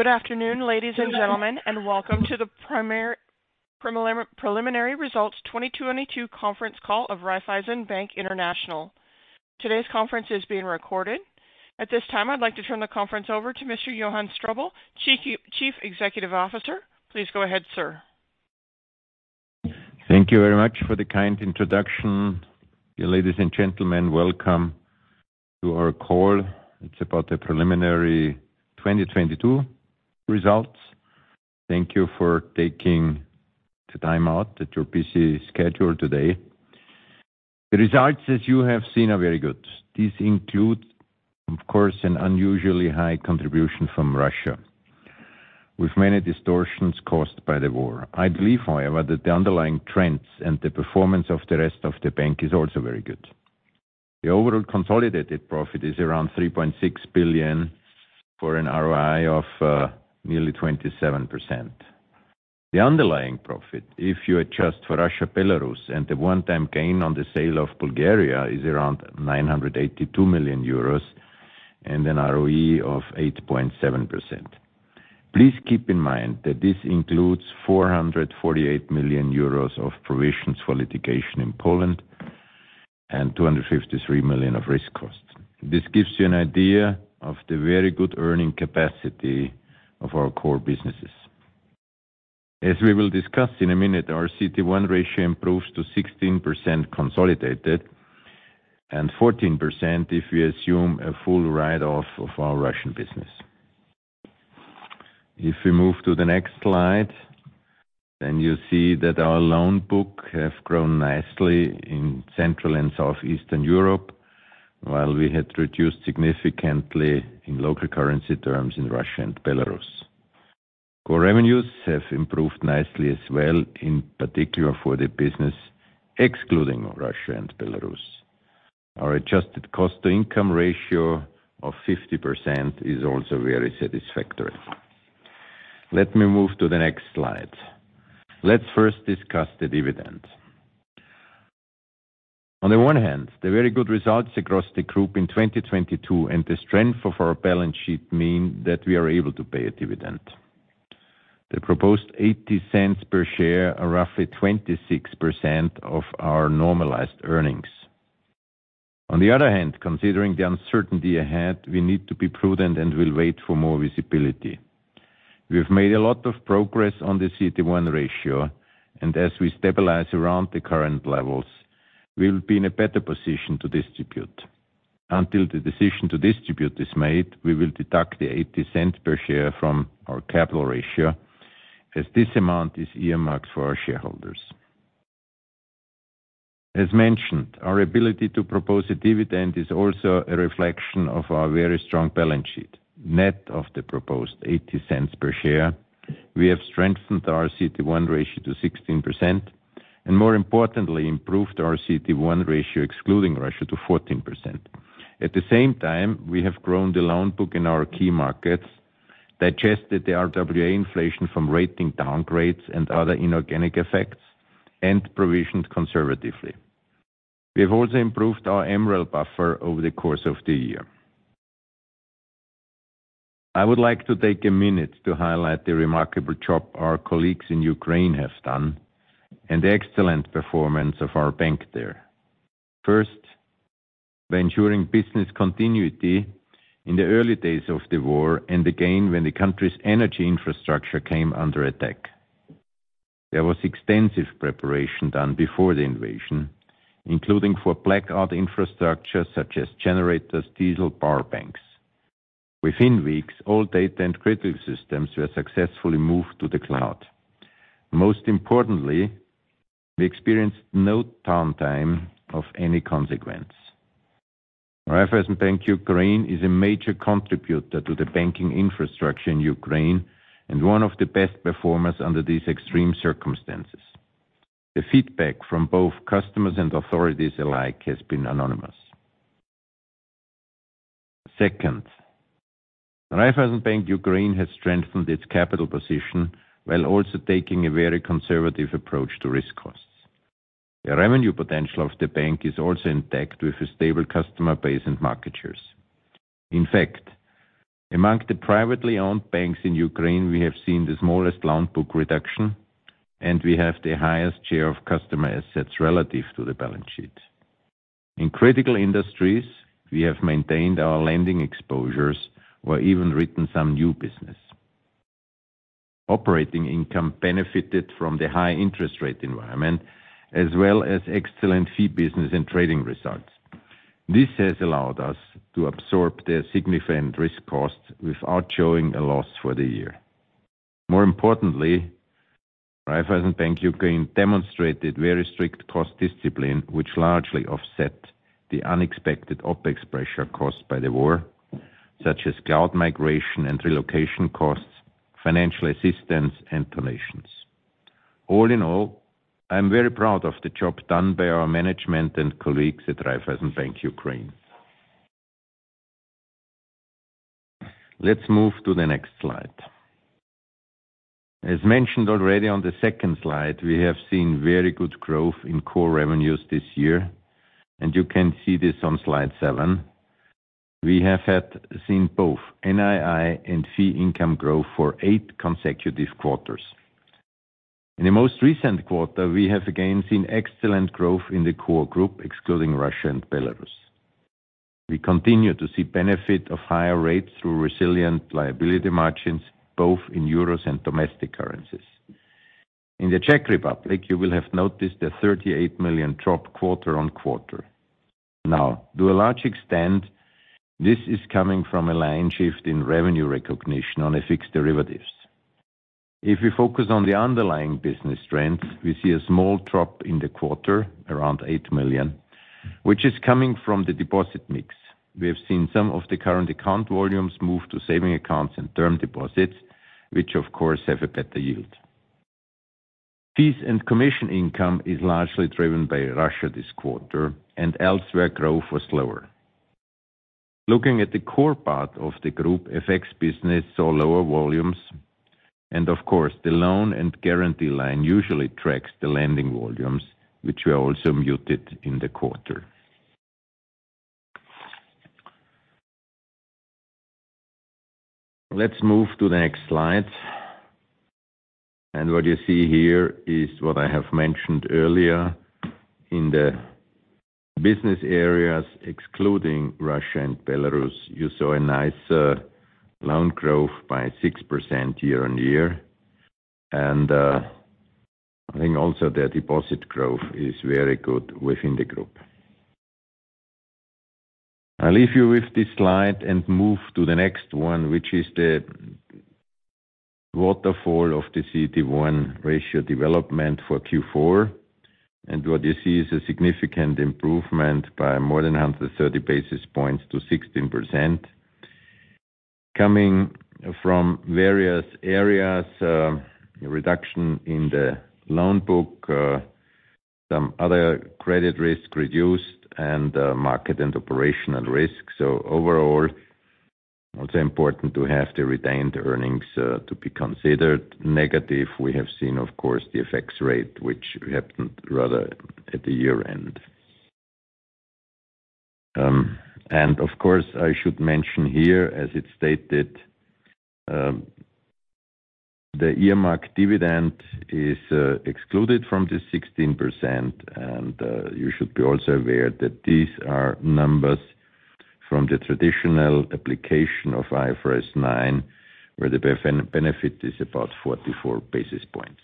Good afternoon, ladies and gentlemen, and welcome to the preliminary results 2022 conference call of Raiffeisen Bank International. Today's conference is being recorded. At this time, I'd like to turn the conference over to Mr. Johann Strobl, Chief Executive Officer. Please go ahead, sir. Thank you very much for the kind introduction. Ladies and gentlemen, welcome to our call. It's about the preliminary 2022 results. Thank you for taking the time out at your busy schedule today. The results, as you have seen, are very good. These include, of course, an unusually high contribution from Russia, with many distortions caused by the war. I believe, however, that the underlying trends and the performance of the rest of the bank is also very good. The overall consolidated profit is around 3.6 billion for an ROI of nearly 27%. The underlying profit, if you adjust for Russia, Belarus, and the one-time gain on the sale of Bulgaria, is around 982 million euros and an ROE of 8.7%. Please keep in mind that this includes 448 million euros of provisions for litigation in Poland and 253 million of risk costs. This gives you an idea of the very good earning capacity of our core businesses. As we will discuss in a minute, our CET1 ratio improves to 16% consolidated and 14% if we assume a full write off of our Russian business. If we move to the next slide, you see that our loan book have grown nicely in Central and Southeastern Europe, while we had reduced significantly in local currency terms in Russia and Belarus. Core revenues have improved nicely as well, in particular for the business excluding Russia and Belarus. Our adjusted cost-to-income ratio of 50% is also very satisfactory. Let me move to the next slide. Let's first discuss the dividend. On the one hand, the very good results across the group in 2022 and the strength of our balance sheet mean that we are able to pay a dividend. The proposed 0.80 per share are roughly 26% of our normalized earnings. On the other hand, considering the uncertainty ahead, we need to be prudent and will wait for more visibility. We have made a lot of progress on the CET1 ratio, and as we stabilize around the current levels, we will be in a better position to distribute. Until the decision to distribute is made, we will deduct the 0.80 per share from our capital ratio as this amount is earmarked for our shareholders. As mentioned, our ability to propose a dividend is also a reflection of our very strong balance sheet. Net of the proposed 0.80 per share, we have strengthened our CET1 ratio to 16% and, more importantly, improved our CET1 ratio excluding Russia to 14%. At the same time, we have grown the loan book in our key markets, digested the RWA inflation from rating downgrades and other inorganic effects, and provisioned conservatively. We have also improved our MREL buffer over the course of the year. I would like to take a minute to highlight the remarkable job our colleagues in Ukraine have done and the excellent performance of our bank there. First, by ensuring business continuity in the early days of the war and again when the country's energy infrastructure came under attack. There was extensive preparation done before the invasion, including for blackout infrastructure such as generators, diesel power banks. Within weeks, all data and critical systems were successfully moved to the cloud. Most importantly, we experienced no downtime of any consequence. Raiffeisen Bank Ukraine is a major contributor to the banking infrastructure in Ukraine and one of the best performers under these extreme circumstances. The feedback from both customers and authorities alike has been unanimous. Second, Raiffeisen Bank Ukraine has strengthened its capital position while also taking a very conservative approach to risk costs. The revenue potential of the bank is also intact with a stable customer base and market shares. In fact, among the privately owned banks in Ukraine, we have seen the smallest loan book reduction, and we have the highest share of customer assets relative to the balance sheet. In critical industries, we have maintained our lending exposures or even written some new business. Operating income benefited from the high interest rate environment as well as excellent fee business and trading results. This has allowed us to absorb the significant risk costs without showing a loss for the year. More importantly, Raiffeisen Bank Ukraine demonstrated very strict cost discipline, which largely offset the unexpected OpEx pressure caused by the war, such as cloud migration and relocation costs, financial assistance, and donations. All in all, I am very proud of the job done by our management and colleagues at Raiffeisen Bank Ukraine. Let's move to the next slide. As mentioned already on the second slide, we have seen very good growth in core revenues this year, and you can see this on slide seven. We have had seen both NII and fee income growth for eight consecutive quarters. In the most recent quarter, we have again seen excellent growth in the core group, excluding Russia and Belarus. We continue to see benefit of higher rates through resilient liability margins, both in euros and domestic currencies. In the Czech Republic, you will have noticed a 38 million drop quarter-on-quarter. Now, to a large extent, this is coming from a line shift in revenue recognition on a fixed derivatives. If we focus on the underlying business trends, we see a small drop in the quarter around 8 million, which is coming from the deposit mix. We have seen some of the current account volumes move to saving accounts and term deposits, which of course, have a better yield. Fees and commission income is largely driven by Russia this quarter, and elsewhere growth was slower. Looking at the core part of the group FX business saw lower volumes, and of course, the loan and guarantee line usually tracks the lending volumes, which were also muted in the quarter. Let's move to the next slide. What you see here is what I have mentioned earlier in the business areas, excluding Russia and Belarus. You saw a nicer loan growth by 6% year-on-year, I think also the deposit growth is very good within the group. I'll leave you with this slide and move to the next one, which is the waterfall of the CET1 ratio development for Q4. What you see is a significant improvement by more than 130 basis points to 16% coming from various areas, reduction in the loan book, some other credit risk reduced and market and operational risk. Overall, also important to have the retained earnings to be considered negative. We have seen, of course, the FX rate, which happened rather at the year-end. Of course, I should mention here, as it's stated, the earmark dividend is excluded from the 16%, and you should be also aware that these are numbers from the traditional application of IFRS 9, where the benefit is about 44 basis points.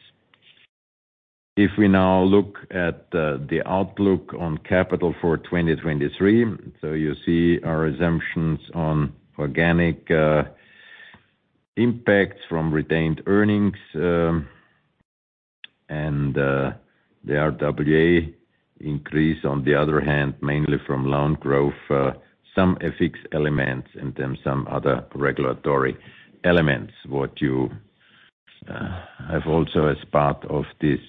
If we now look at the outlook on capital for 2023, you see our assumptions on organic impacts from retained earnings, and the RWA increase on the other hand, mainly from loan growth, some FX elements, and some other regulatory elements, what you have also as part of this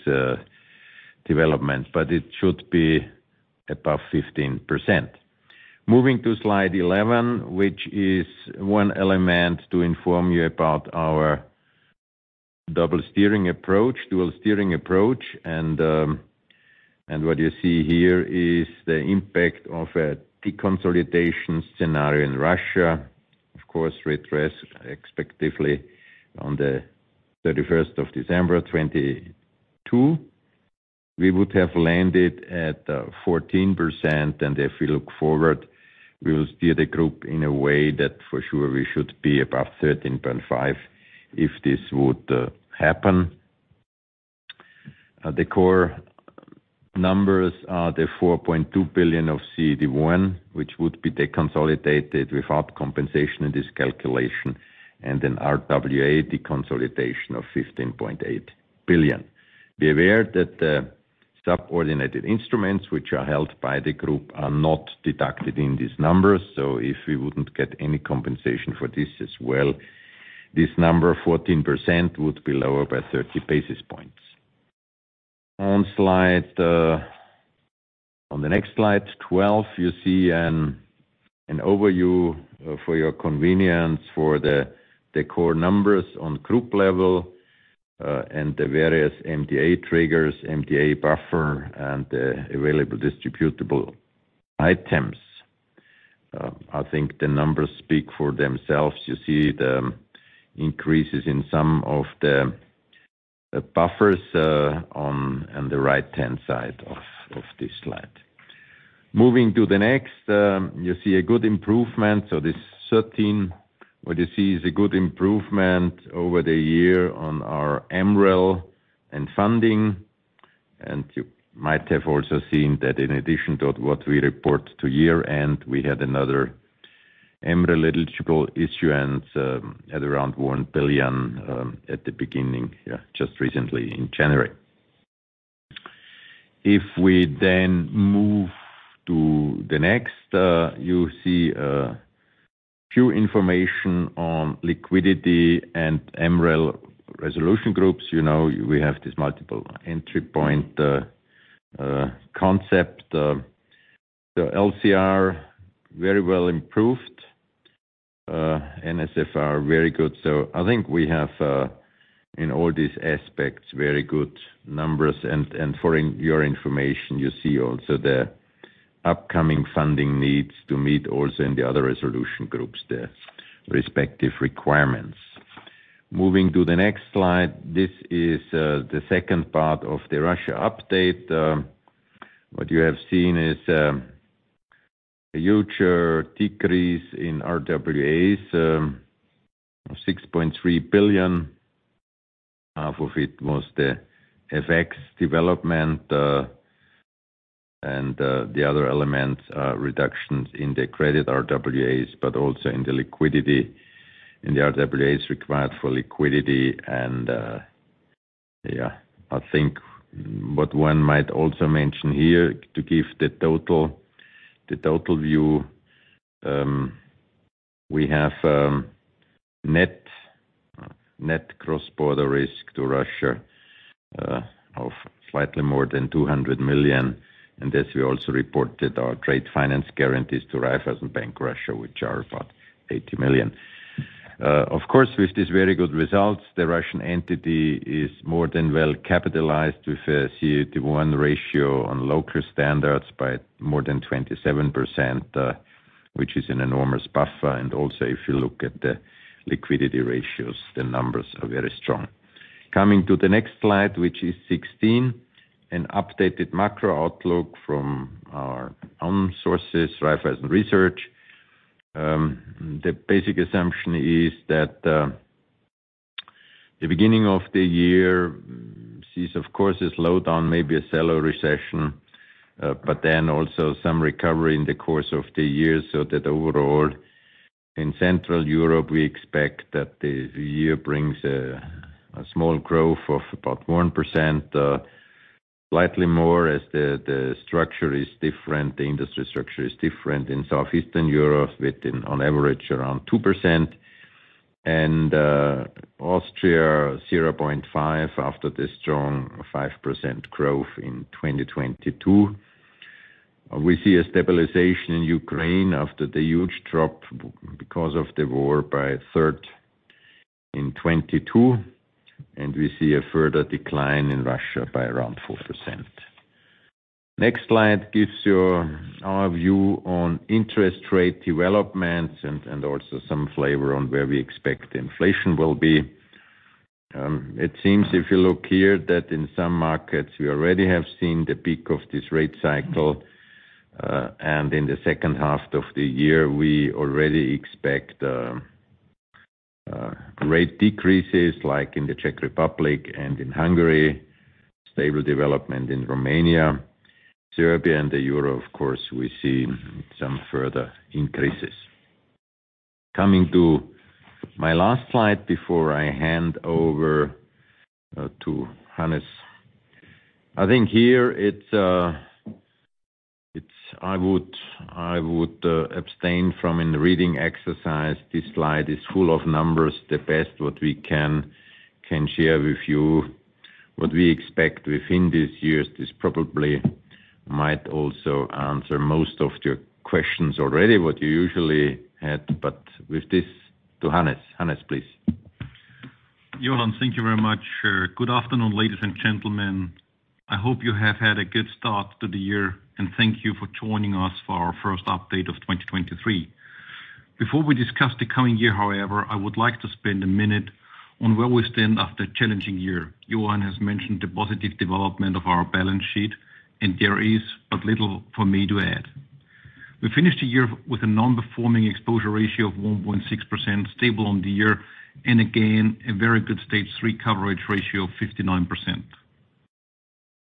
development, but it should be above 15%. Moving to slide 11, which is one element to inform you about our dual steering approach, what you see here is the impact of a deconsolidation scenario in Russia. Of course, rate rest expectively on the 31st of December 2022, we would have landed at 14%. If we look forward, we will steer the group in a way that for sure we should be above 13.5% if this would happen. The core numbers are the 4.2 billion of CET1, which would be the consolidated without compensation in this calculation, and an RWA deconsolidation of 15.8 billion. Be aware that the subordinated instruments which are held by the group are not deducted in these numbers. If we wouldn't get any compensation for this as well, this number 14% would be lower by 30 basis points. On slide, on the next slide 12, you see an overview for your convenience for the core numbers on group level, and the various MDA triggers, MDA buffer, and the available distributable items. I think the numbers speak for themselves. You see the increases in some of the buffers on the right-hand side of this slide. Moving to the next, you see a good improvement. This 13, what you see is a good improvement over the year on our MREL and funding. You might have also seen that in addition to what we report to year-end, we had another MREL eligible issuance at around 1 billion just recently in January. If we then move to the next, you see few information on liquidity and MREL resolution groups. we have this Multiple Point of Entry concept. The LCR very well improved, NSFR very good. I think we have in all these aspects, very good numbers and for your information, you see also the upcoming funding needs to meet also in the other resolution groups, the respective requirements. Moving to the next slide. This is the second part of the Russia update. What you have seen is a huge decrease in RWAs of 6.3 billion. Half of it was the FX development, and the other elements are reductions in the credit RWAs, but also in the liquidity, in the RWAs required for liquidity. Yeah. I think what one might also mention here to give the total, the total view, we have net cross-border risk to Russia of slightly more than 200 million. This, we also reported our trade finance guarantees to Raiffeisen Bank Russia, which are about 80 million. Of course, with these very good results, the Russian entity is more than well capitalized with a CET1 ratio on local standards by more than 27%, which is an enormous buffer. Also if you look at the liquidity ratios, the numbers are very strong. Coming to the next slide, which is 16, an updated macro outlook from our own sources, Raiffeisen Research. The basic assumption is that the beginning of the year sees, of course, a slowdown, maybe a shallow recession, also some recovery in the course of the year, so that overall in Central Europe, we expect that the year brings a small growth of about 1%, slightly more as the structure is different, the industry structure is different in Southeastern Europe with an on average around 2%, and Austria 0.5 after the strong 5% growth in 2022. We see a stabilization in Ukraine after the huge drop because of the war by a third in 2022. We see a further decline in Russia by around 4%. Next slide gives our view on interest rate developments also some flavor on where we expect inflation will be. It seems, if you look here, that in some markets we already have seen the peak of this rate cycle, and in the second half of the year, we already expect rate decreases like in the Czech Republic and in Hungary, stable development in Romania. Serbia and the Euro, of course, we see some further increases. Coming to my last slide before I hand over to Hannes. I think here I would abstain from in the reading exercise. This slide is full of numbers. The best what we can share with you what we expect within this year. This probably might also answer most of your questions already, what you usually had. With this to Hannes. Hannes, please. Johann, thank you very much. Good afternoon, ladies and gentlemen. I hope you have had a good start to the year. Thank you for joining us for our first update of 2023. Before we discuss the coming year, however, I would like to spend a minute on where we stand after a challenging year. Johann has mentioned the positive development of our balance sheet. There is but little for me to add. We finished the year with a non-performing exposure ratio of 1.6% stable on the year. Again, a very good Stage 3 coverage ratio of 59%.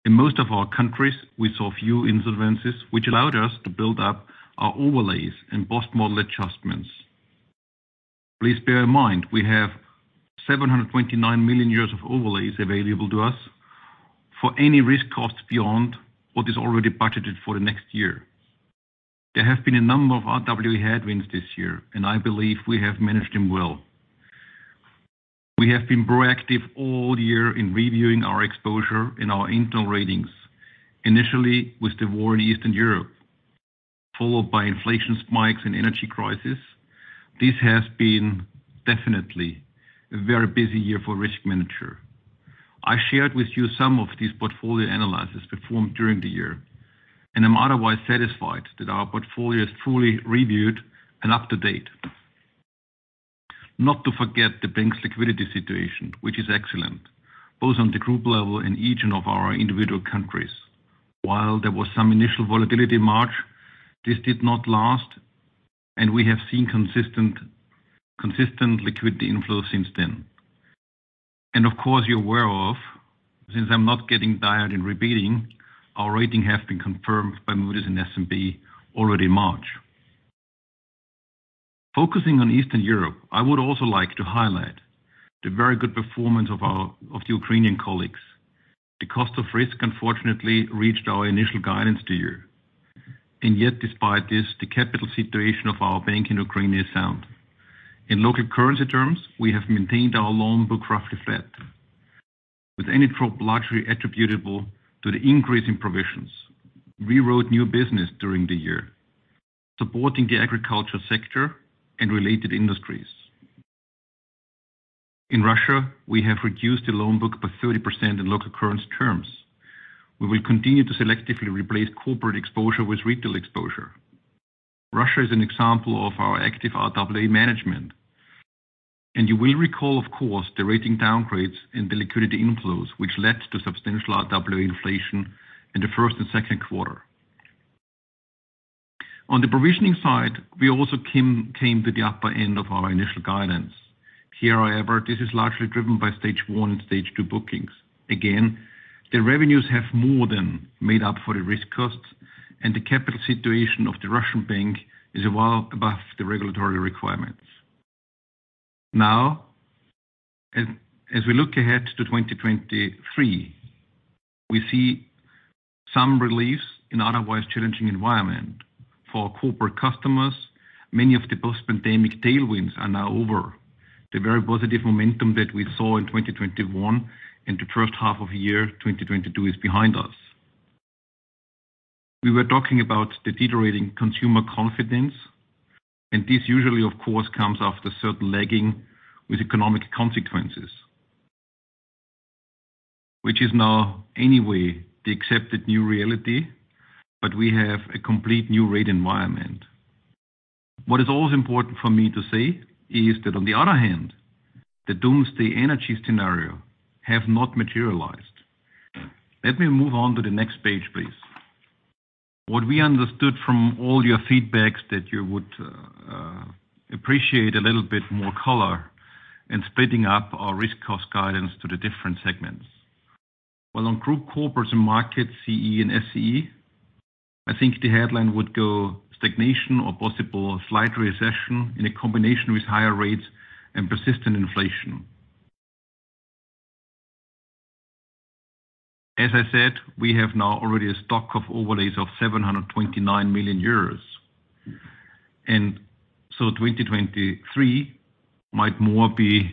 In most of our countries, we saw few insolvencies, which allowed us to build up our overlays and post-model adjustments. Please bear in mind, we have 729 million of overlays available to us for any risk costs beyond what is already budgeted for the next year. There have been a number of RWAs headwinds this year, and I believe we have managed them well. We have been proactive all year in reviewing our exposure and our internal ratings. Initially with the war in Eastern Europe, followed by inflation spikes and energy crisis. This has been definitely a very busy year for risk manager. I shared with you some of these portfolio analysis performed during the year, and I'm otherwise satisfied that our portfolio is fully reviewed and up to date. Not to forget the bank's liquidity situation, which is excellent, both on the group level and each of our individual countries. While there was some initial volatility in March, this did not last, we have seen consistent liquidity inflow since then. Of course, you're aware of, since I'm not getting tired in repeating, our rating has been confirmed by Moody's and S&P already in March. Focusing on Eastern Europe, I would also like to highlight the very good performance of the Ukrainian colleagues. The cost of risk, unfortunately, reached our initial guidance this year. Yet despite this, the capital situation of our bank in Ukraine is sound. In local currency terms, we have maintained our loan book roughly flat, with any drop largely attributable to the increase in provisions. We wrote new business during the year, supporting the agriculture sector and related industries. In Russia, we have reduced the loan book by 30% in local currency terms. We will continue to selectively replace corporate exposure with retail exposure. Russia is an example of our active RWA management. You will recall, of course, the rating downgrades and the liquidity inflows which led to substantial RWA inflation in the first and Q2. On the provisioning side, we also came to the upper end of our initial guidance. Here, however, this is largely driven by Stage 1 and Stage 2 bookings. Again, the revenues have more than made up for the risk costs, and the capital situation of the Russian bank is well above the regulatory requirements. As we look ahead to 2023, we see some reliefs in otherwise challenging environment. For our corporate customers, many of the post-pandemic tailwinds are now over. The very positive momentum that we saw in 2021 and the first half of year 2022 is behind us. We were talking about the deteriorating consumer confidence. This usually, of course, comes after certain lagging with economic consequences. Which is now, anyway, the accepted new reality. We have a complete new rate environment. What is always important for me to say is that on the other hand, the doomsday energy scenario have not materialized. Let me move on to the next page, please. What we understood from all your feedbacks that you would appreciate a little bit more color in splitting up our risk cost guidance to the different segments. Well, on Group Corporates & Markets CE and SCE, I think the headline would go stagnation or possible slight recession in a combination with higher rates and persistent inflation. As I said, we have now already a stock of overlays of 729 million euros. 2023 might more be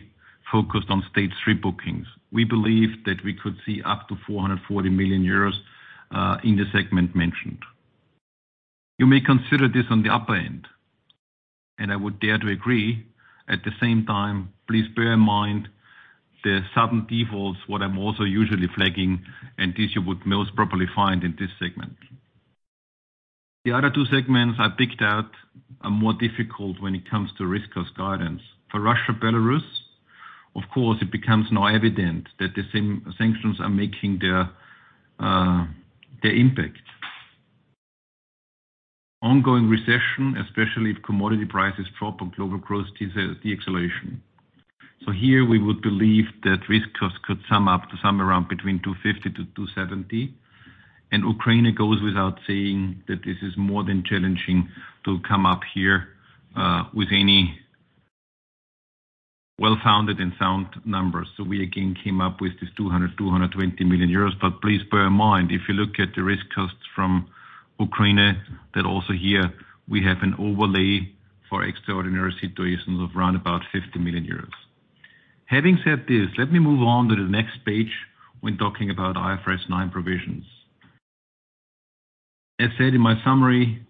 focused on Stage 3 bookings. We believe that we could see up to 440 million euros in the segment mentioned. You may consider this on the upper end, and I would dare to agree. At the same time, please bear in mind the sudden defaults, what I'm also usually flagging, and this you would most properly find in this segment. The other two segments I picked out are more difficult when it comes to risk cost guidance. For Russia, Belarus, of course, it becomes now evident that the same sanctions are making their impact. Ongoing recession, especially if commodity prices drop and global growth deceleration. Here we would believe that risk costs could sum up to somewhere around between 250-270. Ukraine, it goes without saying that this is more than challenging to come up here, with any well-founded and sound numbers. We again came up with this 220 million euros. Please bear in mind, if you look at the risk costs from Ukraine, that also here we have an overlay for extraordinary situations of around about 50 million euros. Having said this, let me move on to the next page when talking about IFRS 9 provisions. Said in my summary,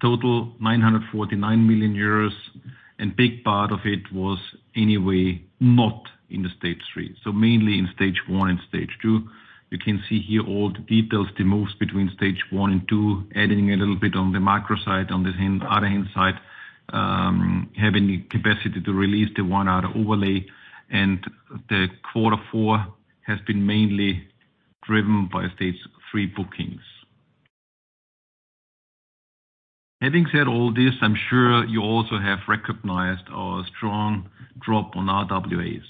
total 949 million euros, and big part of it was anyway, not in the Stage 3. Mainly in Stage 1 and Stage 2. You can see here all the details, the moves between Stage 1 and 2, adding a little bit on the micro side. On the other hand side, having the capacity to release the one out overlay. The quarter four has been mainly driven by Stage 3 bookings. Having said all this, I'm sure you also have recognized our strong drop on RWAs.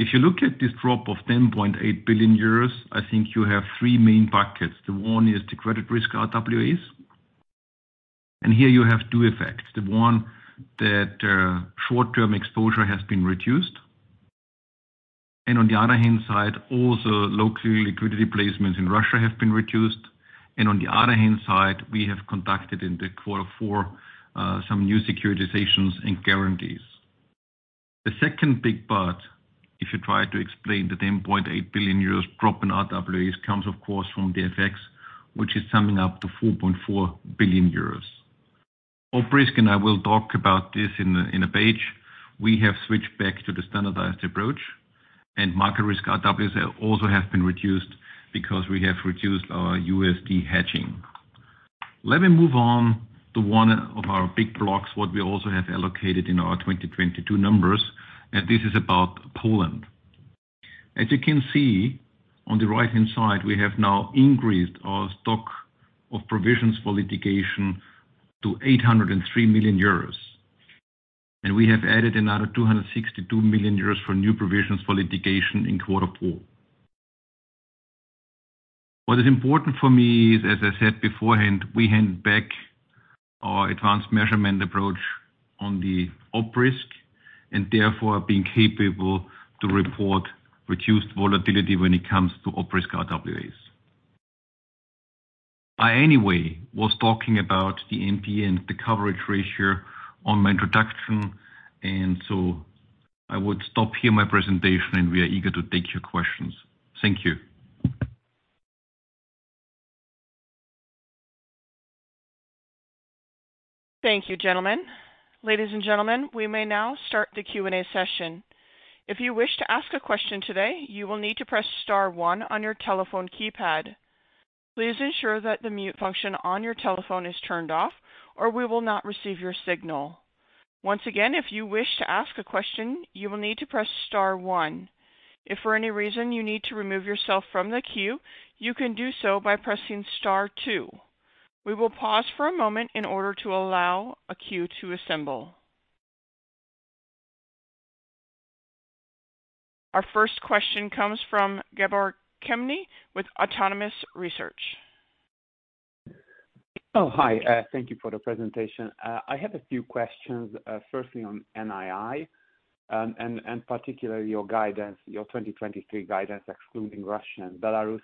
If you look at this drop of 10.8 billion euros, I think you have three main buckets. The one is the credit risk RWAs. Here you have two effects. The one that short-term exposure has been reduced. On the other hand side, also locally liquidity placements in Russia have been reduced. On the other hand side, we have conducted in the quarter four, some new securitizations and guarantees. The second big part, if you try to explain the 10.8 billion euros drop in RWAs, comes, of course, from the FX, which is summing up to 4.4 billion euros. op risk. I will talk about this in a page. We have switched back to the Standardized Approach. Market risk RWAs also have been reduced because we have reduced our USD hedging. Let me move on to one of our big blocks, what we also have allocated in our 2022 numbers. This is about Poland. As you can see on the right-hand side, we have now increased our stock of provisions for litigation to 803 million euros. We have added another 262 million euros for new provisions for litigation in quarter four. What is important for me is, as I said beforehand, we hand back our Advanced Measurement Approach on the op risk and therefore being capable to report reduced volatility when it comes to op risk RWAs. I anyway was talking about the NPL, the coverage ratio on my introduction, and so I would stop here my presentation, and we are eager to take your questions. Thank you. Thank you, gentlemen. 'Ladies and gentlemen, we may now start the Q&A session. If you wish to ask a question today, you will need to press star one on your telephone keypad. Please ensure that the mute function on your telephone is turned off, or we will not receive your signal. Once again, if you wish to ask a question, you will need to press star one. If for any reason you need to remove yourself from the queue, you can do so by pressing star two. We will pause for a moment in order to allow a queue to assemble. Our first question comes from Gabor Kemeny with Autonomous Research. Hi. Thank you for the presentation. I have a few questions, firstly on NII, particularly your guidance, your 2023 guidance excluding Russia and Belarus.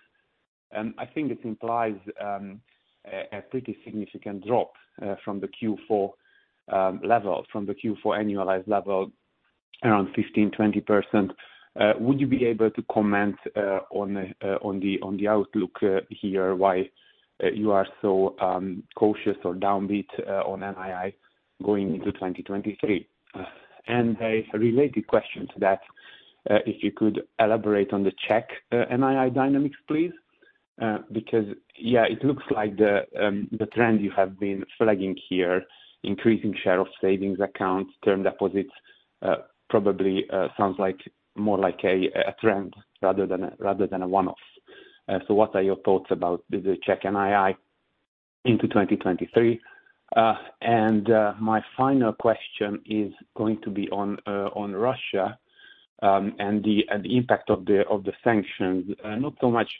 I think it implies a pretty significant drop from the Q4 level, from the Q4 annualized level, around 15%-20%. Would you be able to comment on the outlook here, why you are so cautious or downbeat on NII going into 2023? A related question to that, if you could elaborate on the Czech NII dynamics, please. Because it looks like the trend you have been flagging here, increasing share of savings accounts, term deposits, probably sounds like more like a trend rather than a one-off. What are your thoughts about the Czech NII into 2023? My final question is going to be on Russia, and the impact of the sanctions, not so much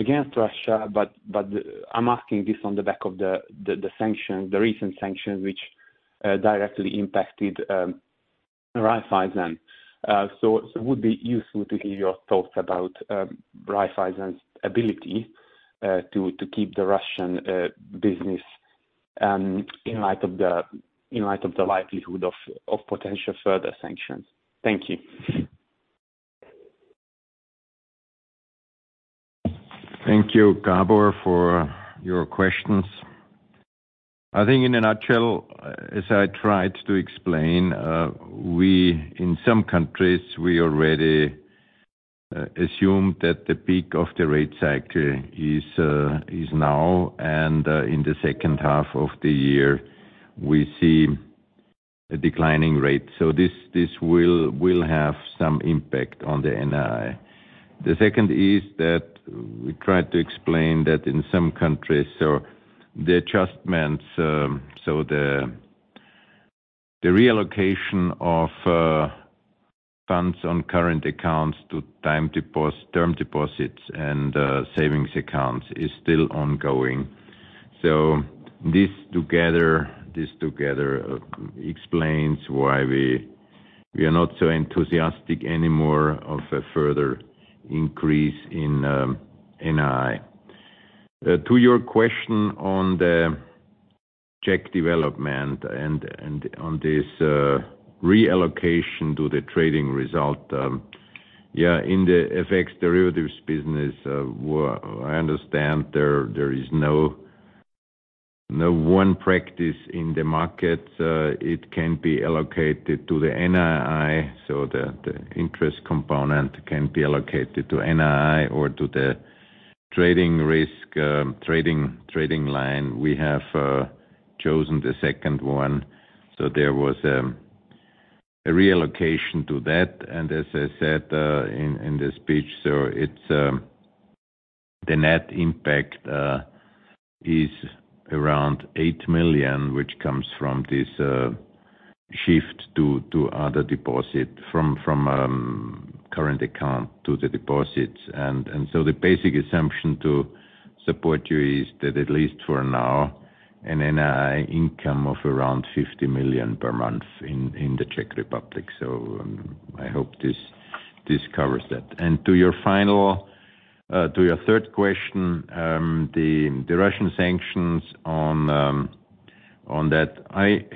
against Russia, but I'm asking this on the back of the sanctions, the recent sanctions which directly impacted Raiffeisen. It would be useful to hear your thoughts about Raiffeisen's ability to keep the Russian business in light of the likelihood of potential further sanctions. Thank you. Thank you, Gabor, for your questions. I think in a nutshell, as I tried to explain, we in some countries, we already assume that the peak of the rate cycle is now, and in the second half of the year, we see a declining rate. This will have some impact on the NII. The second is that we tried to explain that in some countries, the adjustments, the reallocation of funds on current accounts to term deposits and savings accounts is still ongoing. This together explains why we are not so enthusiastic anymore of a further increase in NII. To your question on the Czech development and on this reallocation to the trading result, yeah, in the FX derivatives business, well, I understand there is no one practice in the market. It can be allocated to the NII, so the interest component can be allocated to NII or to the trading risk, trading line. We have chosen the second one, so there was a reallocation to that. As I said in the speech, so it's the net impact is around 8 million, which comes from this shift to other deposit from current account to the deposits. So the basic assumption to support you is that at least for now, an NII income of around 50 million per month in the Czech Republic. I hope this covers that. To your final, to your third question, the Russian sanctions on that.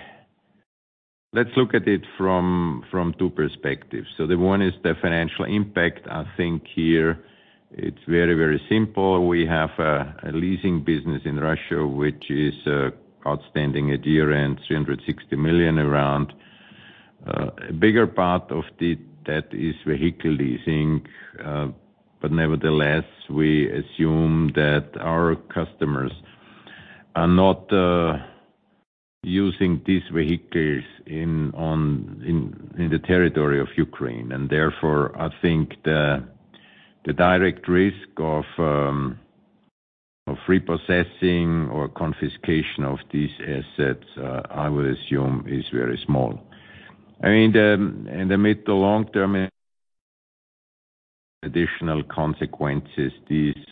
Let's look at it from two perspectives. The one is the financial impact. I think here it's very, very simple. We have a leasing business in Russia, which is outstanding at year-end, 360 million around. A bigger part of that is vehicle leasing. Nevertheless, we assume that our customers are not using these vehicles in the territory of Ukraine. Therefore, I think the direct risk of repossessing or confiscation of these assets, I would assume is very small. I mean, the in the mid to long term additional consequences, these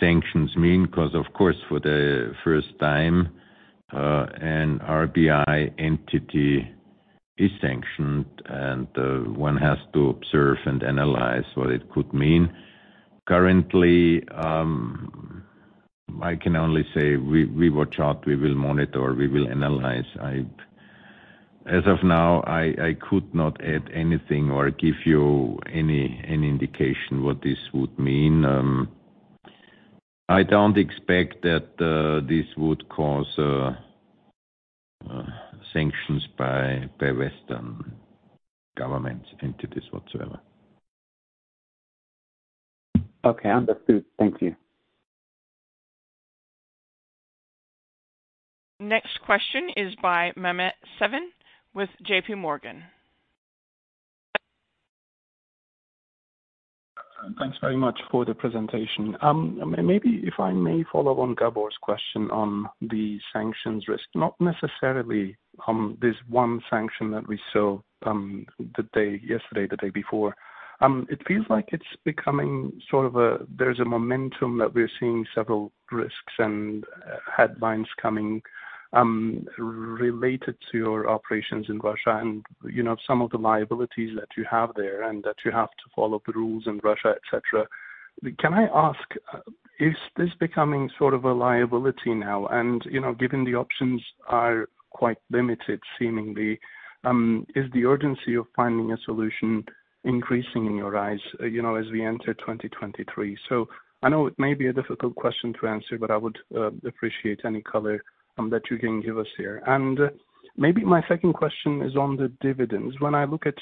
sanctions mean, 'cause, of course, for the first time, an RBI entity is sanctioned and one has to observe and analyze what it could mean. Currently, I can only say we watch out, we will monitor, we will analyze. As of now, I could not add anything or give you any indication what this would mean. I don't expect that this would cause sanctions by Western governments, entities whatsoever. Okay, understood. Thank you. Next question is by Mehmet Sevim with JPMorgan. Thanks very much for the presentation. Maybe if I may follow on Gabor's question on the sanctions risk, not necessarily on this one sanction that we saw, yesterday, the day before. It feels like it's becoming sort of a. There's a momentum that we're seeing several risks and headlines coming, related to your operations in Russia and some of the liabilities that you have there, and that you have to follow the rules in Russia, et cetera. Can I ask, is this becoming sort of a liability now? Given the options are quite limited, seemingly, is the urgency of finding a solution increasing in your eyes as we enter 2023? I know it may be a difficult question to answer, but I would appreciate any color that you can give us here. Maybe my second question is on the dividends. When I look at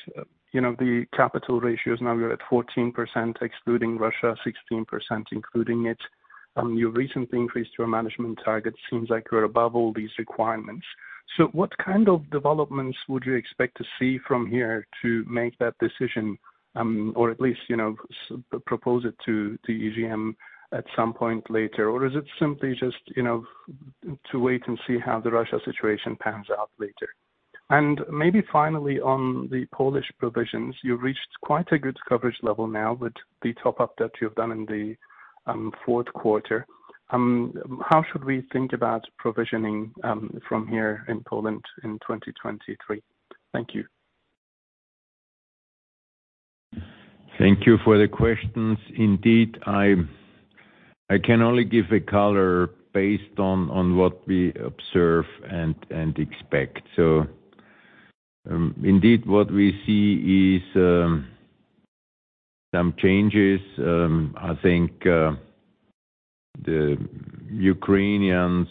the capital ratios, now you're at 14% excluding Russia, 16% including it. You recently increased your management target. Seems like you're above all these requirements. What kind of developments would you expect to see from here to make that decision, or at least propose it to EGM at some point later? Is it simply just to wait and see how the Russia situation pans out later? Maybe finally, on the Polish provisions, you reached quite a good coverage level now with the top up that you've done in the Q4. How should we think about provisioning from here in Poland in 2023? Thank you. Thank you for the questions. Indeed, I can only give a color based on what we observe and expect. Indeed, what we see is some changes. I think the Ukrainians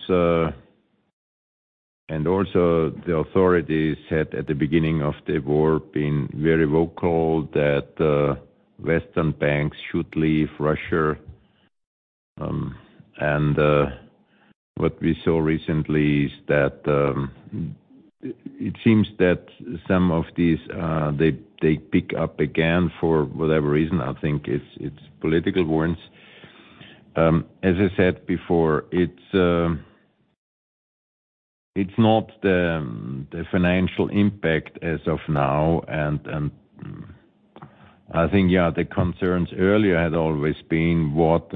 and also the authorities had at the beginning of the war been very vocal that Western banks should leave Russia. What we saw recently is that it seems that some of these, they pick up again for whatever reason. I think it's political warrants. As I said before, it's not the financial impact as of now. I think the concerns earlier had always been what,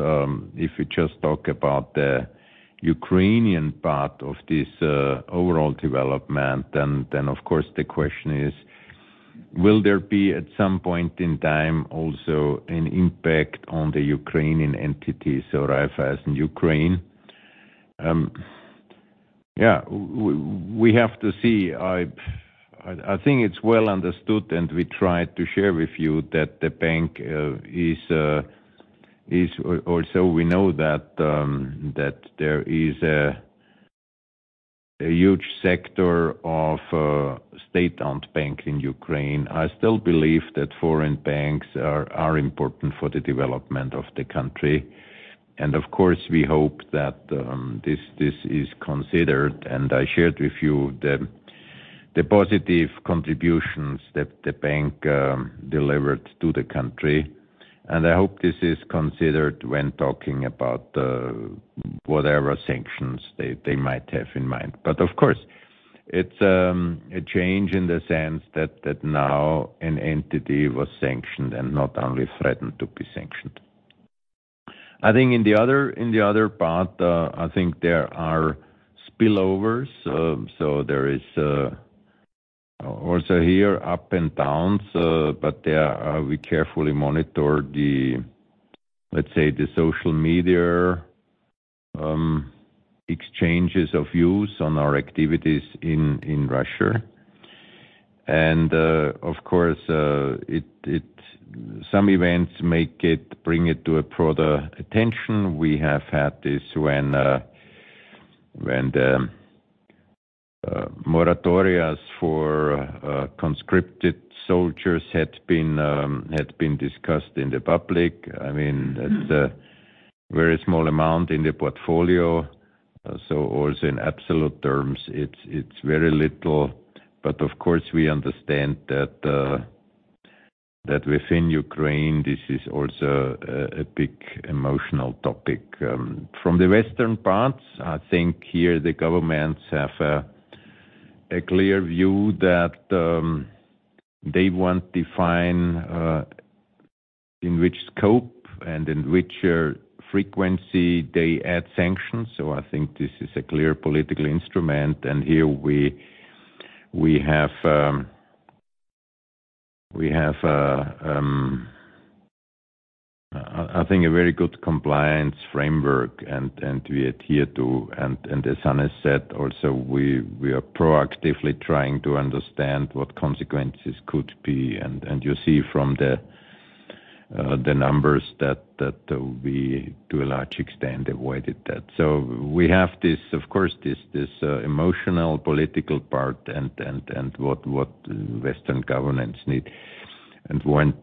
if you just talk about the Ukrainian part of this overall development, of course, the question is, will there be at some point in time also an impact on the Ukrainian entities or Raiffeisen Ukraine? We have to see. I think it's well understood, and we tried to share with you that the bank is. Also we know that there is a huge sector of state-owned bank in Ukraine. I still believe that foreign banks are important for the development of the country. Of course, we hope that this is considered, and I shared with you the positive contributions that the bank delivered to the country. I hope this is considered when talking about whatever sanctions they might have in mind. Of course, it's a change in the sense that now an entity was sanctioned and not only threatened to be sanctioned. I think in the other part, I think there are spillovers. So there is also here up and downs, but there we carefully monitor the, let's say, the social media exchanges of views on our activities in Russia. Of course, some events make it, bring it to a broader attention. We have had this when the moratorias for conscripted soldiers had been discussed in the public. I mean, that's a very small amount in the portfolio. So also in absolute terms, it's very little. Of course, we understand that within Ukraine, this is also a big emotional topic. From the Western parts, I think here the governments have a clear view that they want define in which scope and in which frequency they add sanctions. I think this is a clear political instrument. Here we have a, I think a very good compliance framework and we adhere to. As Hannes said also, we are proactively trying to understand what consequences could be. You see from the numbers that we to a large extent avoided that. We have this, of course, this emotional political part and what Western governments need and want.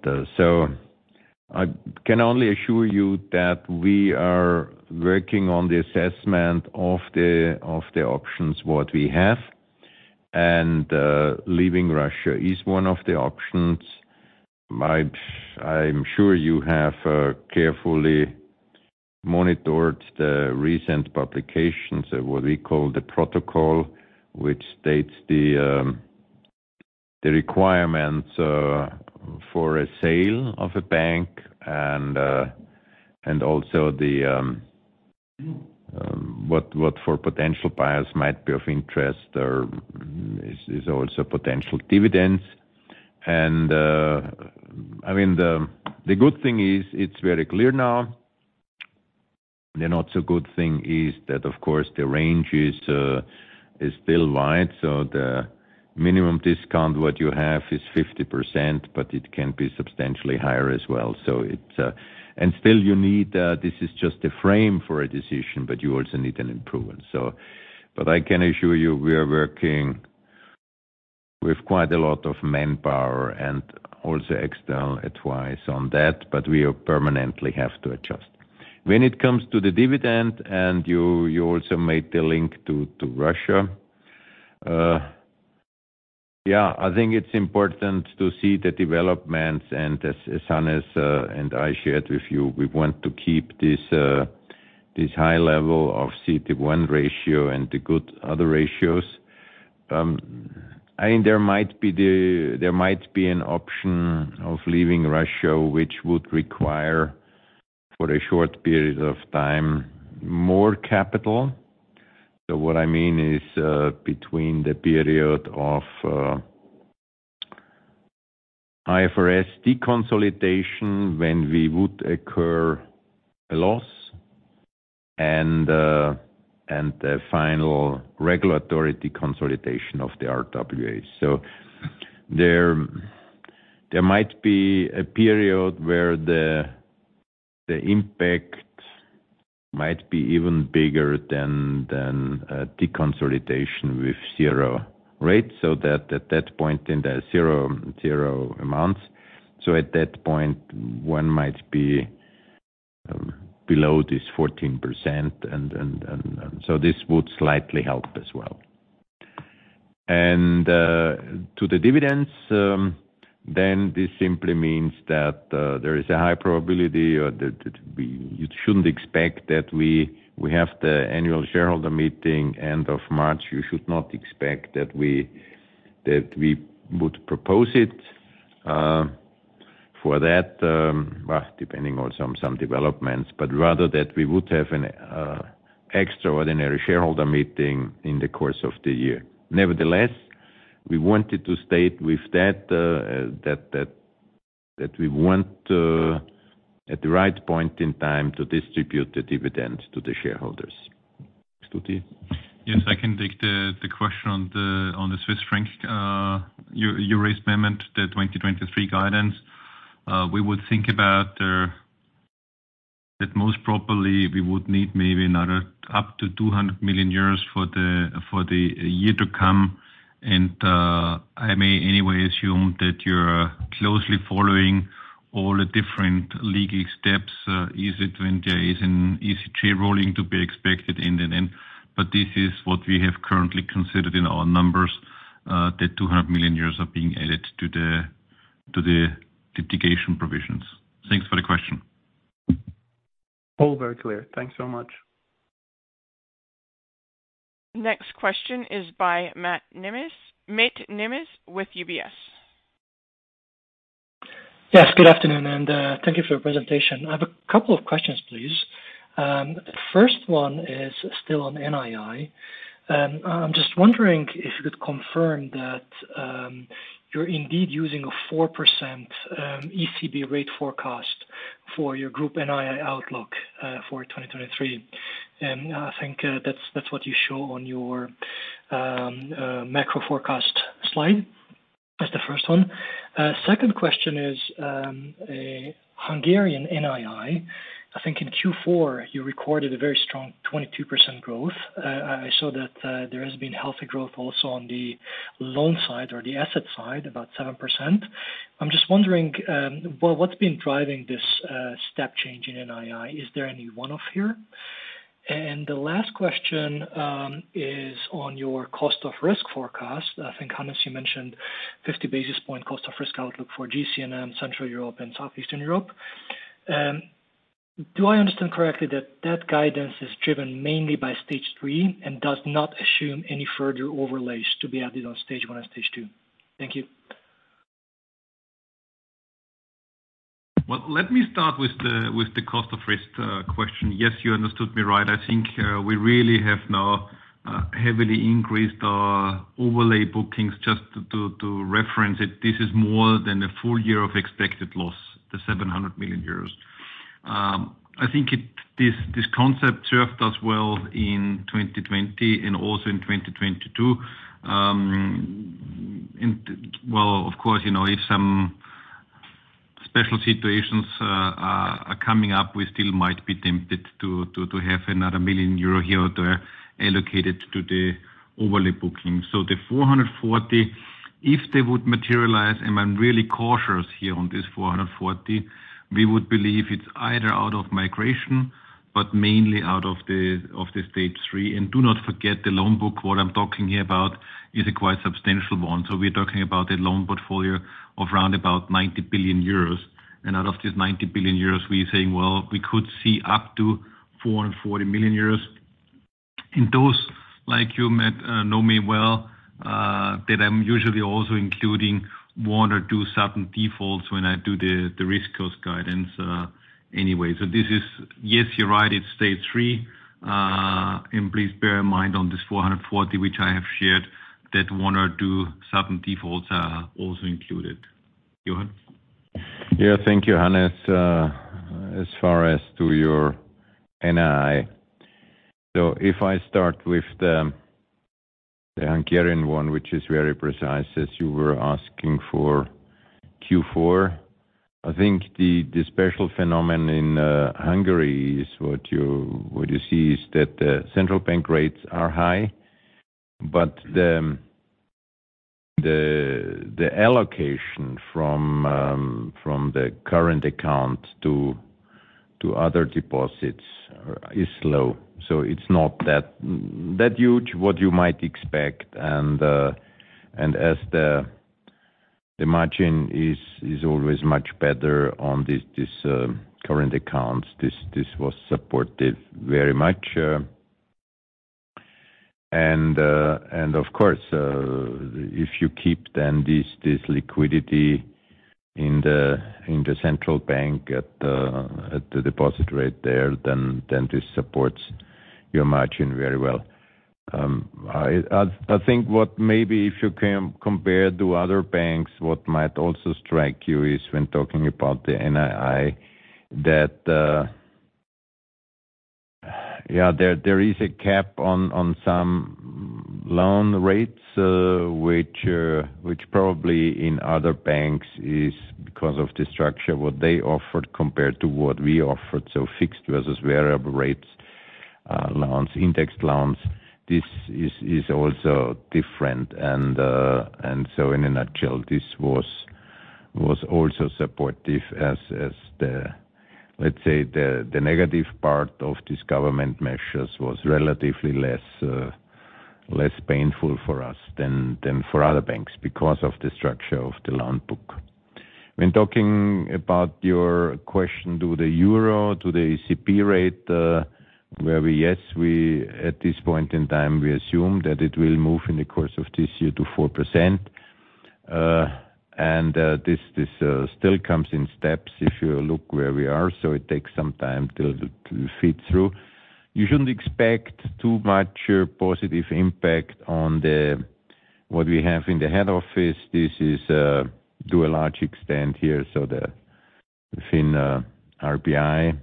I can only assure you that we are working on the assessment of the options, what we have. Leaving Russia is one of the options. I'm sure you have carefully monitored the recent publications, what we call the protocol, which states the requirements for a sale of a bank and also the what for potential buyers might be of interest or is also potential dividends. I mean, the good thing is it's very clear now. The not so good thing is that of course the range is still wide, so the minimum discount what you have is 50%, but it can be substantially higher as well. Still you need, this is just a frame for a decision, but you also need an improvement. I can assure you we are working with quite a lot of manpower and also external advice on that, but we permanently have to adjust. When it comes to the dividend, and you also made the link to Russia. Yeah, I think it's important to see the developments and as Hannes and I shared with you, we want to keep this high level of CET1 ratio and the good other ratios. I think there might be an option of leaving Russia, which would require, for a short period of time, more capital. What I mean is, between the period of IFRS deconsolidation, when we would occur a loss, and the final regulatory deconsolidation of the RWA. There, there might be a period where the impact might be even bigger than deconsolidation with zero rates, so that at that point in the zero amounts. At that point, one might be below this 14%. This would slightly help as well. To the dividends, this simply means that there is a high probability or that you shouldn't expect that we have the annual shareholder meeting end of March. You should not expect that we would propose it for that, well, depending on some developments, but rather that we would have an extraordinary shareholder meeting in the course of the year. Nevertheless, we wanted to state with that we want at the right point in time to distribute the dividends to the shareholders. D'accord? Yes, I can take the question on the Swiss franc. You raised amendment the 2023 guidance. We would think about that most probably we would need maybe another up to 200 million euros for the year to come. I may anyway assume that you're closely following all the different legal steps. Is it when there is an ECJ ruling to be expected in an end. This is what we have currently considered in our numbers, that 200 million euros are being added to the litigation provisions. Thanks for the question. All very clear. Thanks so much. Next question is by Máté Nemes with UBS. Yes, good afternoon, thank you for your presentation. I have a couple of questions, please. The first one is still on NII. I'm just wondering if you could confirm that you're indeed using a 4% ECB rate forecast for your group NII outlook for 2023. I think that's what you show on your macro forecast slide. That's the first one. Second question is Hungarian NII. I think in Q4, you recorded a very strong 22% growth. I saw that there has been healthy growth also on the loan side or the asset side, about 7%. I'm just wondering, well, what's been driving this step change in NII? Is there any one-off here? The last question is on your cost of risk forecast. I think, Hannes, you mentioned 50 basis point cost of risk outlook for GCNM, Central Europe and Southeastern Europe. Do I understand correctly that that guidance is driven mainly by stage three and does not assume any further overlays to be added on stage one and stage two? Thank you. Well, let me start with the, with the cost of risk question. Yes, you understood me right. I think we really have now heavily increased our overlay bookings just to reference it. This is more than a full year of expected loss, the 700 million euros. I think this concept served us well in 2020 and also in 2022. Well, of course if some special situations are coming up, we still might be tempted to have another 1 million euro here or there allocated to the overlay bookings. The 440, if they would materialize, and I'm really cautious here on this 440, we would believe it's either out of migration, but mainly out of the Stage 3. Do not forget the loan book, what I'm talking here about is a quite substantial one. We're talking about a loan portfolio of round about 90 billion euros. Out of this 90 billion euros, we're saying, well, we could see up to 440 million euros. Those like you, Matt, know me well, that I'm usually also including one or two sudden defaults when I do the risk cost guidance anyway. This is. Yes, you're right, it's Stage 3. Please bear in mind on this 440, which I have shared that one or two sudden defaults are also included. Johann? Yeah. Thank you, Hannes. As far as to your NII. If I start with the Hungarian one, which is very precise, as you were asking for Q4, I think the special phenomenon in Hungary is what you see is that the central bank rates are high, but the allocation from the current account to other deposits is low. It's not that huge what you might expect. As the margin is always much better on this current accounts, this was supportive very much. Of course, if you keep then this liquidity in the central bank at the deposit rate there, then this supports your margin very well. I think what maybe if you compare to other banks, what might also strike you is when talking about the NII that, yeah, there is a cap on some loan rates, which probably in other banks is because of the structure, what they offered compared to what we offered. So fixed versus variable rates, loans, indexed loans, this is also different. In a nutshell, this was also supportive as the Let's say, the negative part of these government measures was relatively less painful for us than for other banks because of the structure of the loan book. When talking about your question to the euro, to the ECB rate, where we. Yes, we at this point in time, we assume that it will move in the course of this year to 4%. This still comes in steps if you look where we are. It takes some time to feed through. You shouldn't expect too much positive impact on what we have in the head office. This is to a large extent here. The, within RBI,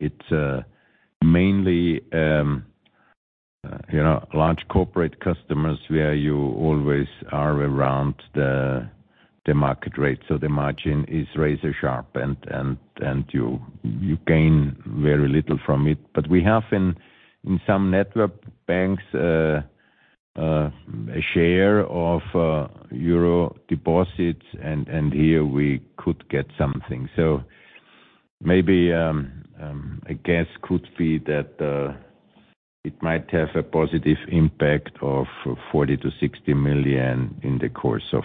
it's mainly large corporate customers where you always are around the market rate. The margin is razor sharp, and you gain very little from it. We have in some network banks a share of euro deposits, and here we could get something. Maybe, I guess could be that, it might have a positive impact of 40 million-60 million in the course of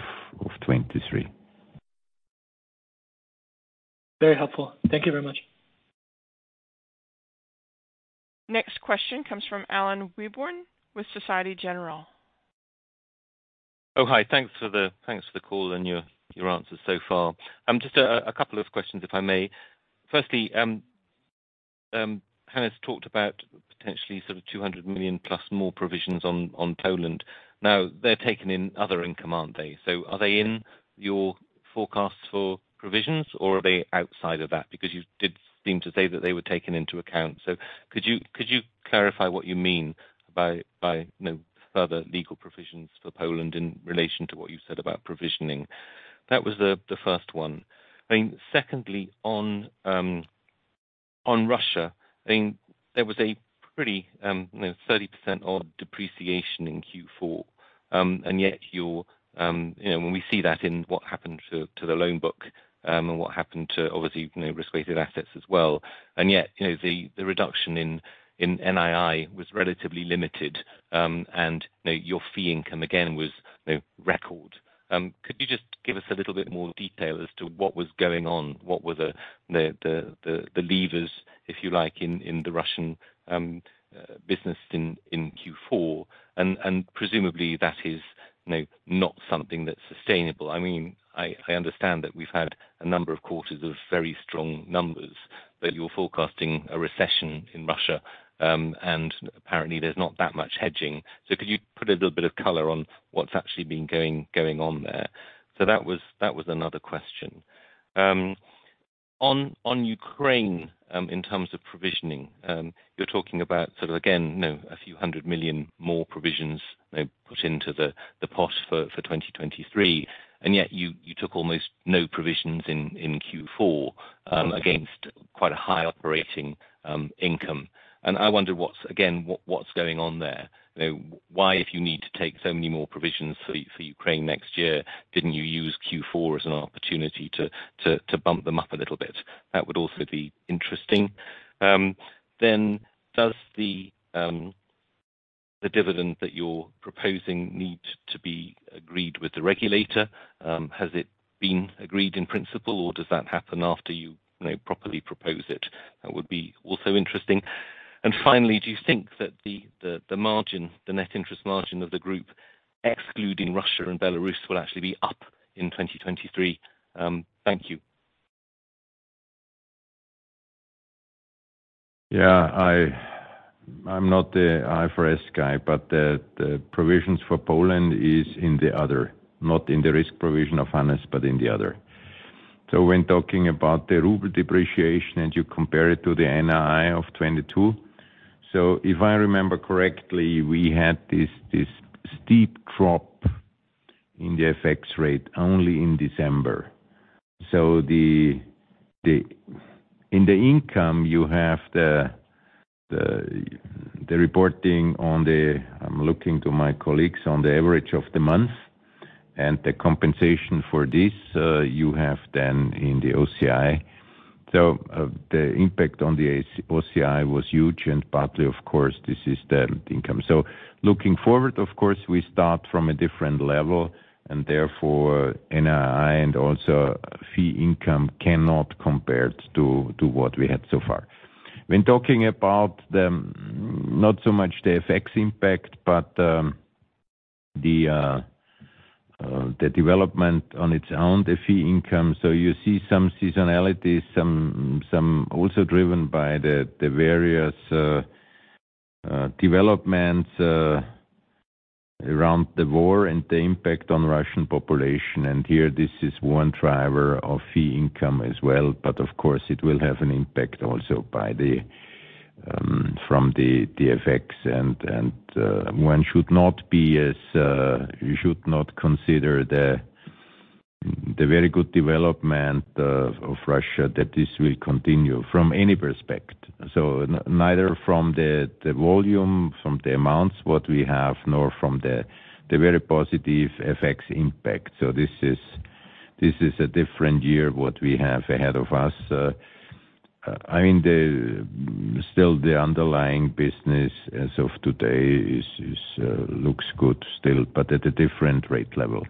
2023. Very helpful. Thank you very much. Next question comes from Alan Webborn with Société Générale. Hi. Thanks for the call and your answers so far. Just a couple of questions, if I may. Firstly, Hannes talked about potentially sort of 200 million plus more provisions on Poland. Now they're taken in other income, aren't they? Are they in your forecast for provisions or are they outside of that? Because you did seem to say that they were taken into account. Could you clarify what you mean by no further legal provisions for Poland in relation to what you said about provisioning? That was the first one. Secondly, on Russia, I mean, there was a pretty 30% odd depreciation in Q4. Yet you, when we see that in what happened to the loan book, and what happened to obviously Risk-Weighted Assets as well, yet the reduction in NII was relatively limited, and your fee income again was record. Could you just give us a little bit more detail as to what was going on? What were the levers, if you like, in the Russian business in Q4? Presumably that is not something that's sustainable. I mean, I understand that we've had a number of quarters of very strong numbers. You're forecasting a recession in Russia, and apparently there's not that much hedging. Could you put a little bit of color on what's actually been going on there? That was another question. On Ukraine, in terms of provisioning, you're talking about sort of again a few hundred million EUR more provisions put into the pot for 2023, and yet you took almost no provisions in Q4 against quite a high operating income. I wonder what's going on there? why, if you need to take so many more provisions for Ukraine next year, didn't you use Q4 as an opportunity to bump them up a little bit? That would also be interesting. Does the dividend that you're proposing need to be agreed with the regulator? Has it been agreed in principle, or does that happen after properly propose it? That would be also interesting. Finally, do you think that the margin, the net interest margin of the group excluding Russia and Belarus, will actually be up in 2023? Thank you. I'm not the IFRS guy, but the provisions for Poland is in the other, not in the risk provision of Hannes, but in the other. When talking about the ruble depreciation, and you compare it to the NII of 2022. If I remember correctly, we had this steep drop in the FX rate only in December. In the income you have the reporting on the I'm looking to my colleagues on the average of the month, and the compensation for this you have then in the OCI. The impact on the OCI was huge and partly, of course, this is the income. Looking forward, of course, we start from a different level, and therefore NII and also fee income cannot compare to what we had so far. When talking about the, not so much the FX impact, but the development on its own, the fee income. You see some seasonality, some also driven by the various developments around the war and the impact on Russian population. Here, this is one driver of fee income as well. But of course, it will have an impact also by the from the FX. One should not be as, you should not consider the very good development of Russia, that this will continue from any perspective. Neither from the volume, from the amounts, what we have, nor from the very positive FX impact. This is a different year, what we have ahead of us. I mean, still the underlying business as of today is looks good still, but at a different rate level.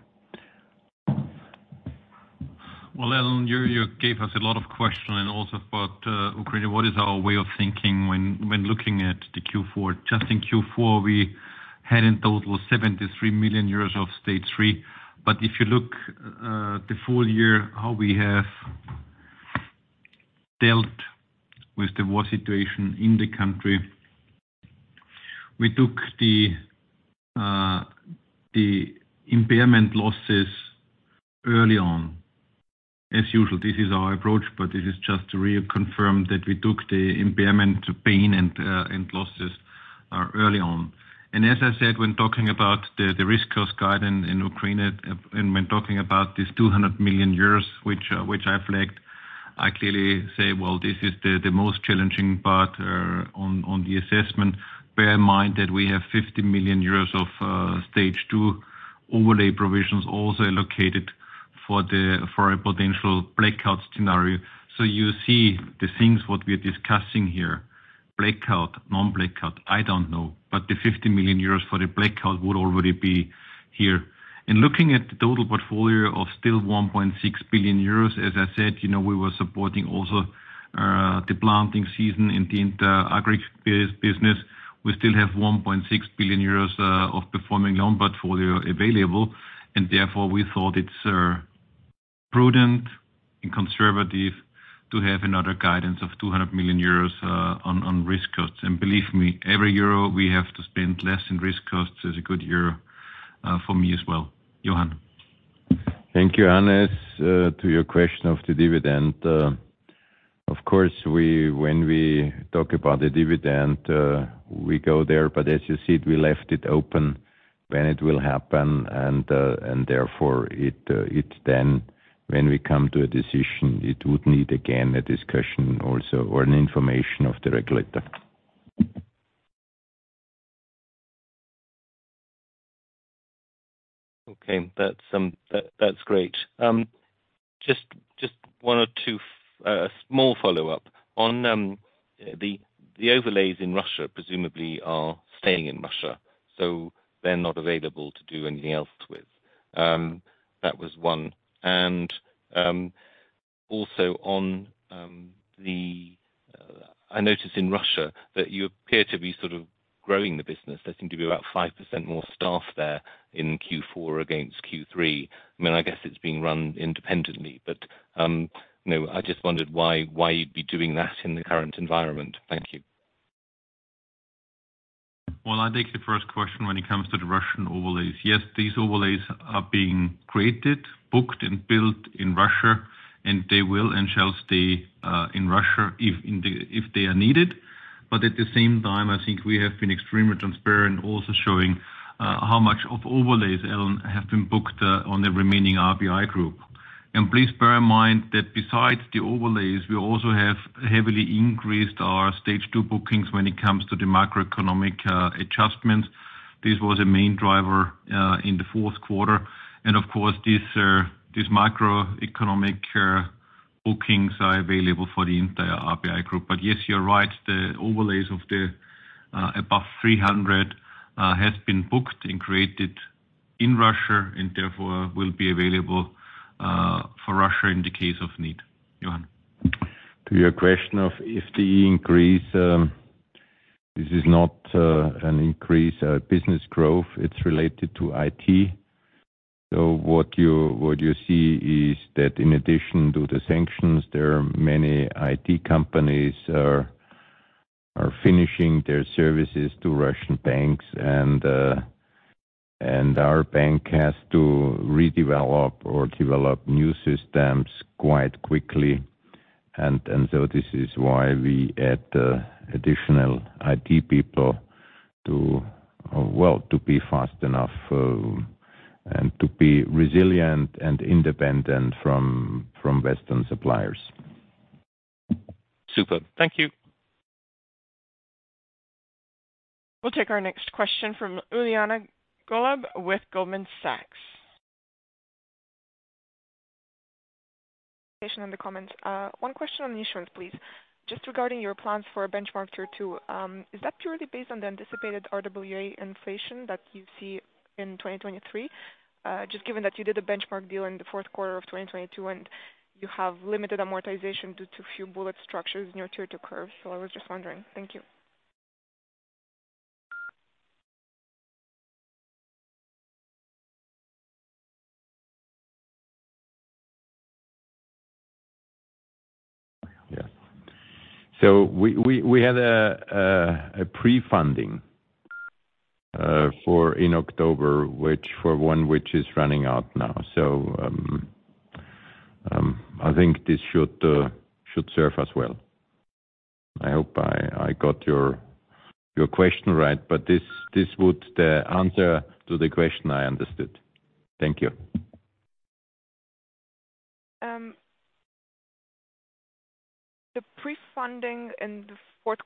Well, Alan, you gave us a lot of question and also about Ukraine. What is our way of thinking when looking at the Q4? Just in Q4, we had in total 73 million euros of Stage 3. If you look the full year, how we have dealt with the war situation in the country, we took the impairment losses early on. As usual, this is our approach, but it is just to reconfirm that we took the impairment, the pain and losses early on. As I said, when talking about the risk cost guidance in Ukraine, and when talking about this 200 million euros, which I flagged, I clearly say, well, this is the most challenging part on the assessment. Bear in mind that we have 50 million euros of Stage 2 overlay provisions also allocated for a potential blackout scenario. You see the things what we are discussing here, blackout, non-blackout, I don't know, but the 50 million euros for the blackout would already be here. Looking at the total portfolio of still 1.6 billion euros, as I said we were supporting also the planting season in the agric business. We still have 1.6 billion euros of performing loan portfolio available. Therefore, we thought it's prudent and conservative to have another guidance of 200 million euros on risk costs. Believe me, every euro we have to spend less in risk costs is a good year for me as well. Johann. Thank you, Hannes. To your question of the dividend, of course, when we talk about the dividend, we go there. As you see, we left it open when it will happen and therefore it then when we come to a decision, it would need, again, a discussion also or an information of the regulator. Okay. That's great. Just one or two small follow-up. On the overlays in Russia presumably are staying in Russia, so they're not available to do anything else with. That was one. Also on, I noticed in Russia that you appear to be sort of growing the business. There seem to be about 5% more staff there in Q4 against Q3. I mean, I guess it's being run independently, but I just wondered why you'd be doing that in the current environment. Thank you. Well, I'll take the first question when it comes to the Russian overlays. Yes, these overlays are being created, booked, and built in Russia, and they will and shall stay in Russia if they are needed. At the same time, I think we have been extremely transparent also showing how much of overlays, Alan, have been booked on the remaining RBI group. Please bear in mind that besides the overlays, we also have heavily increased our stage two bookings when it comes to the macroeconomic adjustments. This was a main driver in the Q4. Of course this macroeconomic bookings are available for the entire RBI group. Yes, you're right, the overlays of the above 300 has been booked and created in Russia and therefore will be available for Russia in the case of need. Johann. To your question of if the increase, this is not an increase, business growth, it's related to IT. What you see is that in addition to the sanctions, there are many IT companies finishing their services to Russian banks. Our bank has to redevelop or develop new systems quite quickly. This is why we add additional IT people to be fast enough and to be resilient and independent from Western suppliers. Super. Thank you. We'll take our next question from Anna-Uliana Golub with Goldman Sachs. Information in the comments. One question on the insurance, please. Just regarding your plans for benchmark Tier 2, is that purely based on the anticipated RWA inflation that you see in 2023? Just given that you did a benchmark deal in the Q4 of 2022 and you have limited amortization due to few bullet structures in your Tier 2 curves. I was just wondering. Thank you. Yeah. We had a pre-funding for in October, which for one which is running out now. I think this should serve us well. I hope I got your question right, but this would answer to the question I understood. Thank you.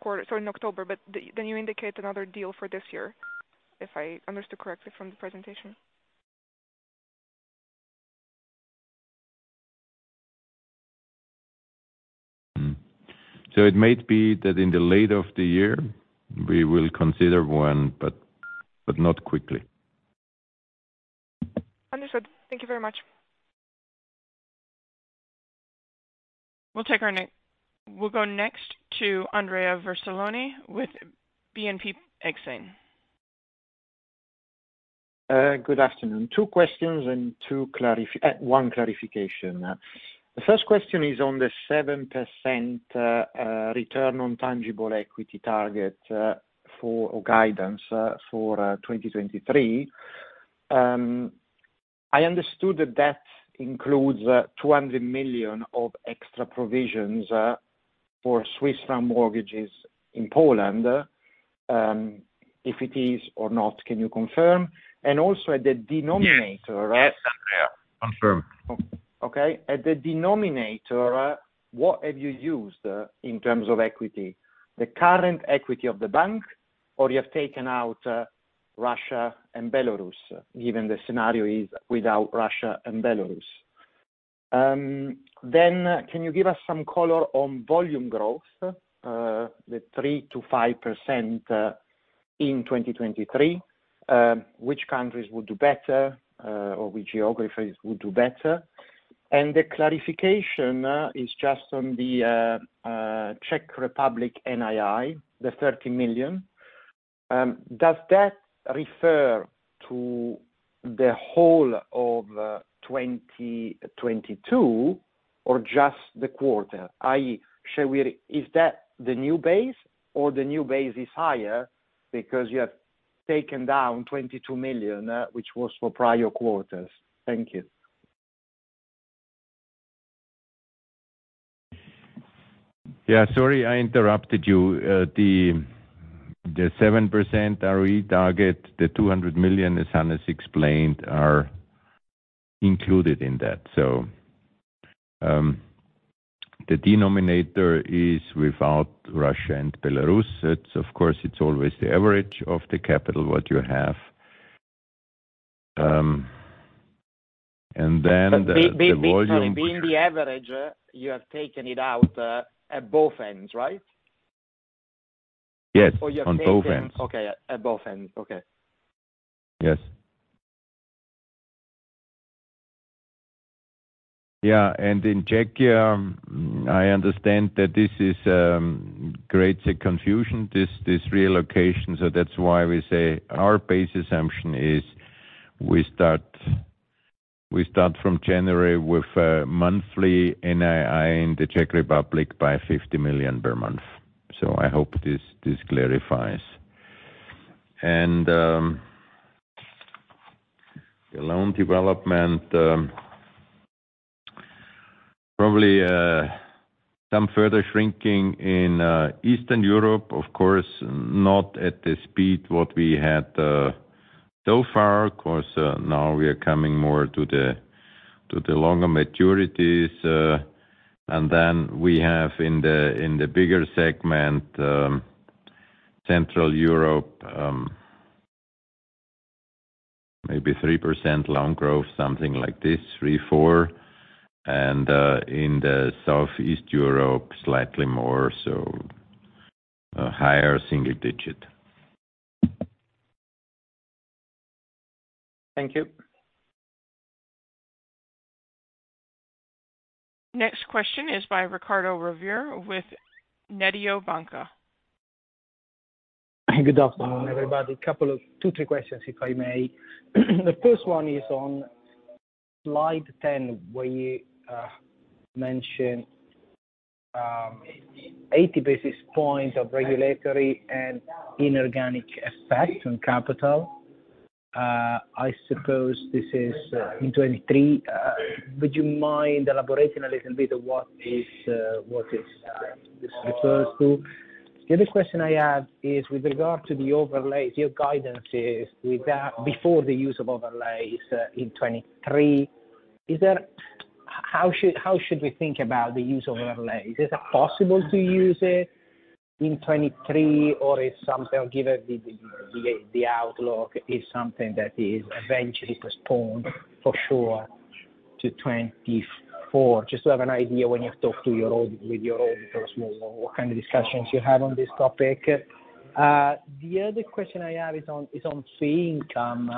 Sorry, in October, then you indicate another deal for this year, if I understood correctly from the presentation. It might be that in the later of the year we will consider one, but not quickly. Understood. Thank you very much. We'll go next to Andrea Vercellone with BNP Exane. Good afternoon. Two questions and one clarification. The first question is on the 7%, return on tangible equity target, for, or guidance, for 2023. I understood that that includes 200 million of extra provisions, for Swiss franc mortgages in Poland. If it is or not, can you confirm? Yes. Andrea. Confirmed. Okay. At the denominator, what have you used in terms of equity? The current equity of the bank, or you have taken out Russia and Belarus, given the scenario is without Russia and Belarus? Can you give us some color on volume growth? The 3% to 5% in 2023, which countries would do better, or which geographies would do better? The clarification is just on the Czech Republic NII, the 30 million. Does that refer to the whole of 2022 or just the quarter? Is that the new base or the new base is higher because you have taken down 22 million, which was for prior quarters? Thank you. Yeah, sorry, I interrupted you. The 7% ROE target, the 200 million, as Hannes explained, are included in that. The denominator is without Russia and Belarus. It's, of course, it's always the average of the capital, what you have. Then the volume- Sorry, being the average, you have taken it out, at both ends, right? Yes. On both ends. You're taking. Okay, at both ends. Okay. Yes. In Czechia, I understand that this creates a confusion, this reallocation. That's why we say our base assumption is we start from January with a monthly NII in the Czech Republic by 50 million per month. I hope this clarifies. The loan development, probably some further shrinking in Eastern Europe, of course, not at the speed what we had so far. Of course, now we are coming more to the longer maturities. We have in the bigger segment, Central Europe, maybe 3% loan growth, something like this, 3%-4%. In the Southeast Europe, slightly more so, a higher single digit. Thank you. Next question is by Riccardo Rovere with Mediobanca. Good afternoon, everybody. Couple of two, three questions, if I may. The first one is on slide 10, where you mention 80 basis points of regulatory and inorganic effect on capital. I suppose this is in 2023. Would you mind elaborating a little bit of what is this refers to? The other question I have is with regard to the overlays. Your guidance is with that before the use of overlays in 2023. How should we think about the use overlay? Is it possible to use it in 2023, or is something given the outlook, is something that is eventually postponed for sure to 2024? Just to have an idea when you talk with your auditors, what kind of discussions you have on this topic. The other question I have is on fee income.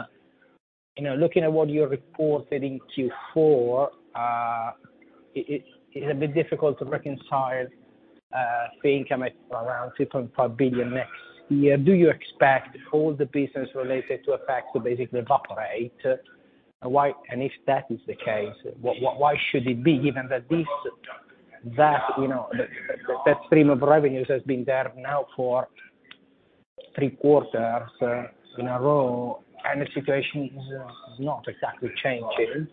Looking at what you reported in Q4, it is a bit difficult to reconcile fee income at around 2.5 billion next year. Do you expect all the business related to a fact to basically evaporate? If that is the case, why should it be, given that this that stream of revenues has been there now for 3 quarters in a row and the situation is not exactly changing,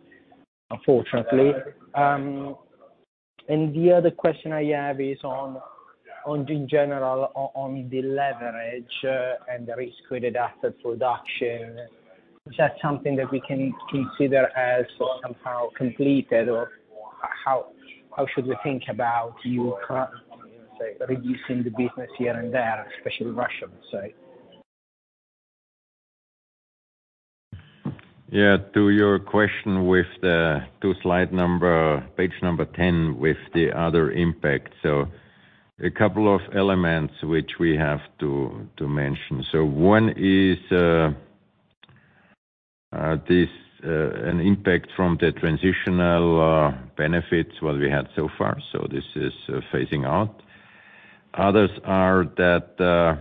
unfortunately. The other question I have is on the general, on the leverage, and the risk credit asset reduction. Is that something that we can consider as somehow completed, or how should we think about you current, say, reducing the business here and there, especially Russia, let's say? To your question to page number 10 with the other impact. A couple of elements which we have to mention. One is this an impact from the transitional benefits, what we had so far. This is phasing out. Others are that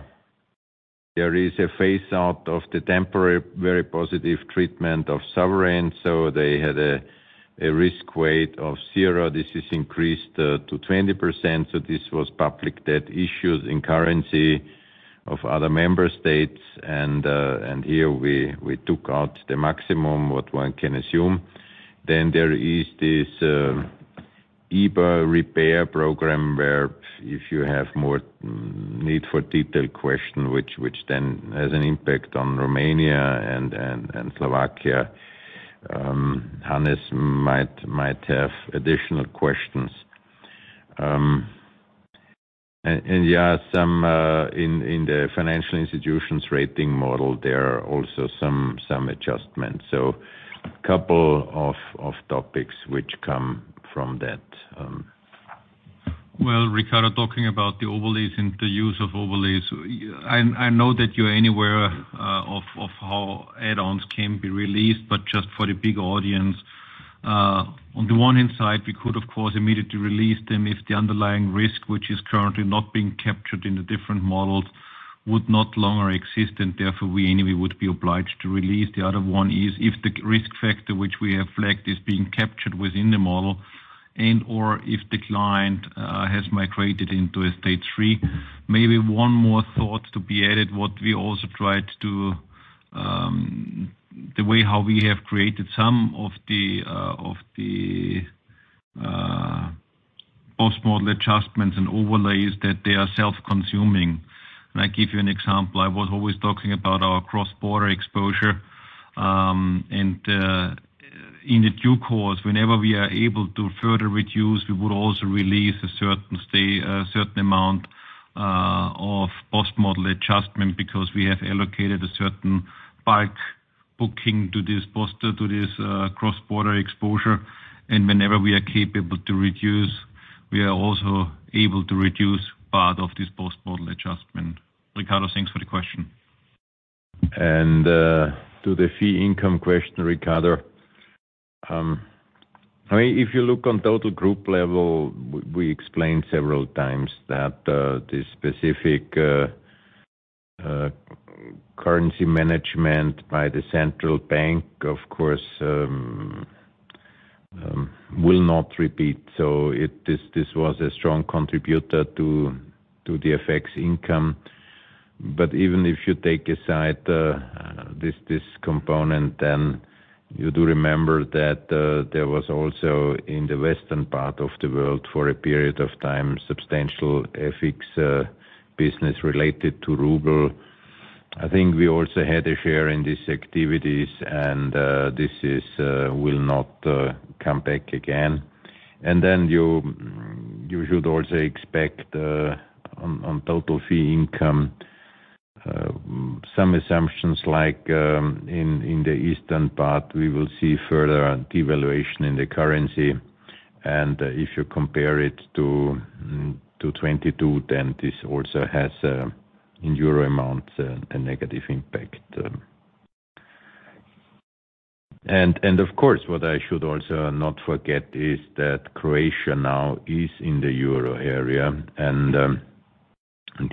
there is a Phase out of the temporary very positive treatment of sovereign. They had a risk weight of 0. This is increased to 20%. This was public debt issues in currency of other member states. Here we took out the maximum what one can assume. There is this EBA repair program where if you have more need for detailed question, which then has an impact on Romania and Slovakia, Hannes might have additional questions. Yeah, some, in the financial institutions rating model, there are also some adjustments. Couple of topics which come from that. Well, Riccardo, talking about the overlays and the use of overlays, I know that you're anywhere, of how add-ons can be released, but just for the big audience, on the one hand side, we could of course immediately release them if the underlying risk, which is currently not being captured in the different models, would not longer exist, and therefore, we anyway would be obliged to release. The other one is if the risk factor which we have flagged is being captured within the model and/or if the client, has migrated into a Stage 3. Maybe one more thought to be added, what we also tried to, the way how we have created some of the, of the, post-model adjustments and overlays that they are self-consuming. I give you an example. I was always talking about our cross-border exposure, and in the due course, whenever we are able to further reduce, we would also release a certain amount of post-model adjustment because we have allocated a certain bulk booking to this cross-border exposure. Whenever we are capable to reduce, we are also able to reduce part of this post-model adjustment. Ricardo, thanks for the question. To the fee income question, Ricardo, I mean, if you look on total group level, we explained several times that this specific currency management by the central bank, of course, will not repeat. This was a strong contributor to the FX income. Even if you take aside this component, then you do remember that there was also in the western part of the world for a period of time, substantial FX business related to Ruble. I think we also had a share in these activities, this is will not come back again. You should also expect on total fee income some assumptions like in the eastern part, we will see further devaluation in the currency. If you compare it to 2022, then this also has, in EUR amounts, a negative impact. Of course, what I should also not forget is that Croatia now is in the Euro area.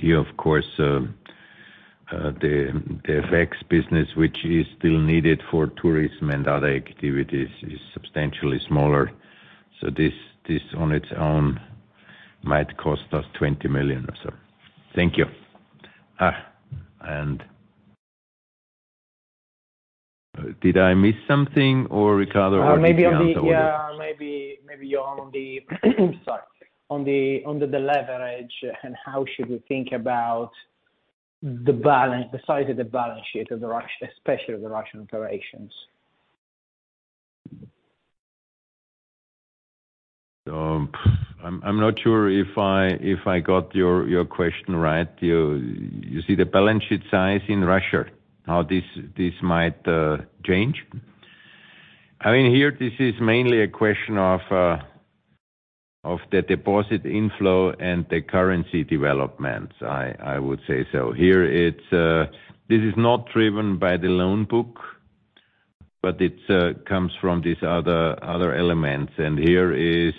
Here, of course, the FX business, which is still needed for tourism and other activities, is substantially smaller. This on its own might cost us 20 million or so. Thank you. Did I miss something or Ricardo? maybe on the, yeah, maybe on the, sorry. On the leverage and how should we think about the size of the balance sheet of especially the Russian operations? I'm not sure if I got your question right. You see the balance sheet size in Russia, how this might change. I mean, here, this is mainly a question of the deposit inflow and the currency developments, I would say so. Here this is not driven by the loan book, but it comes from these other elements. Here is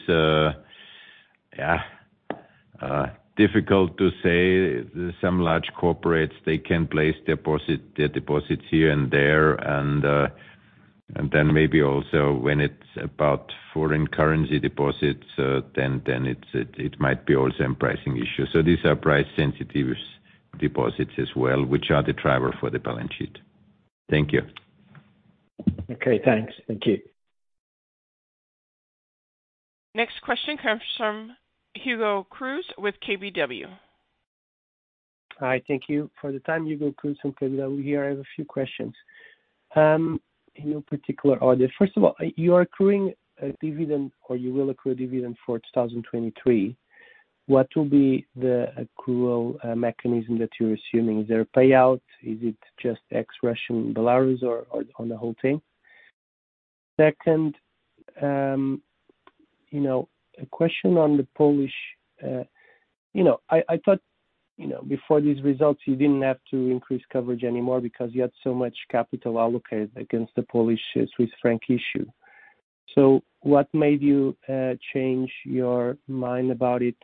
difficult to say. Some large corporates, they can place their deposits here and there. Then maybe also when it's about foreign currency deposits, then it might be also a pricing issue. These are price sensitive deposits as well, which are the driver for the balance sheet. Thank you. Okay, thanks. Thank you. Next question comes from Hugo Cruz with KBW. Hi. Thank you for the time, Hugo Cruz from KBW here. I have a few questions in no particular order. First of all, you are accruing a dividend, or you will accrue a dividend for 2023. What will be the accrual mechanism that you're assuming? Is there a payout? Is it just ex Russian, Belarus, or on the whole thing? second a question on the Polish. I thought before these results, you didn't have to increase coverage anymore because you had so much capital allocated against the Polish Swiss franc issue. What made you change your mind about it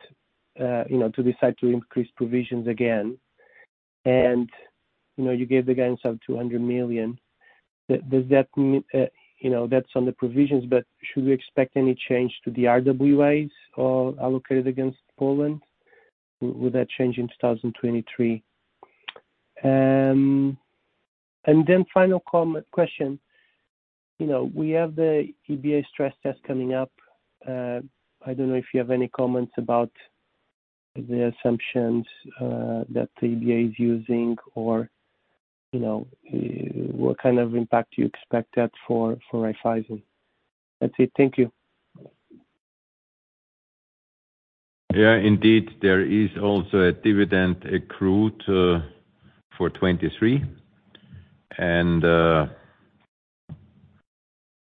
to decide to increase provisions again? you gave the guidance of 200 million. Does that mean that's on the provisions, but should we expect any change to the RWAs or allocated against Poland? Would that change in 2023? Final comment, question. We have the EBA stress test coming up. I don't know if you have any comments about the assumptions, that the EBA is using or what kind of impact you expect that for IFRS 5. That's it. Thank you. Indeed, there is also a dividend accrued for 2023.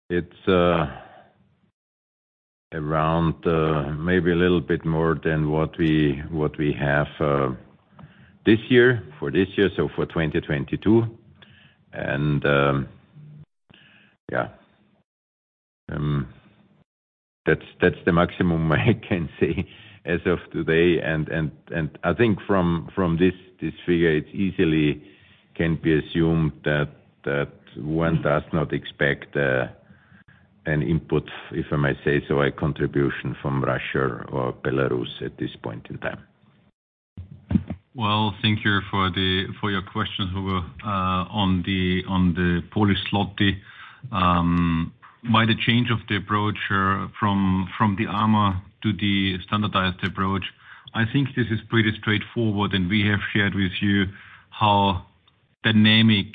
It's around maybe a little bit more than what we, what we have this year, for this year, so for 2022. That's the maximum I can say as of today. I think from this figure, it easily can be assumed that one does not expect an input, if I may say so, a contribution from Russia or Belarus at this point in time. Well, thank you for your question, Hugo, on the Polish zloty. By the change of the approach from the IRB to the Standardized Approach. I think this is pretty straightforward, and we have shared with you how dynamic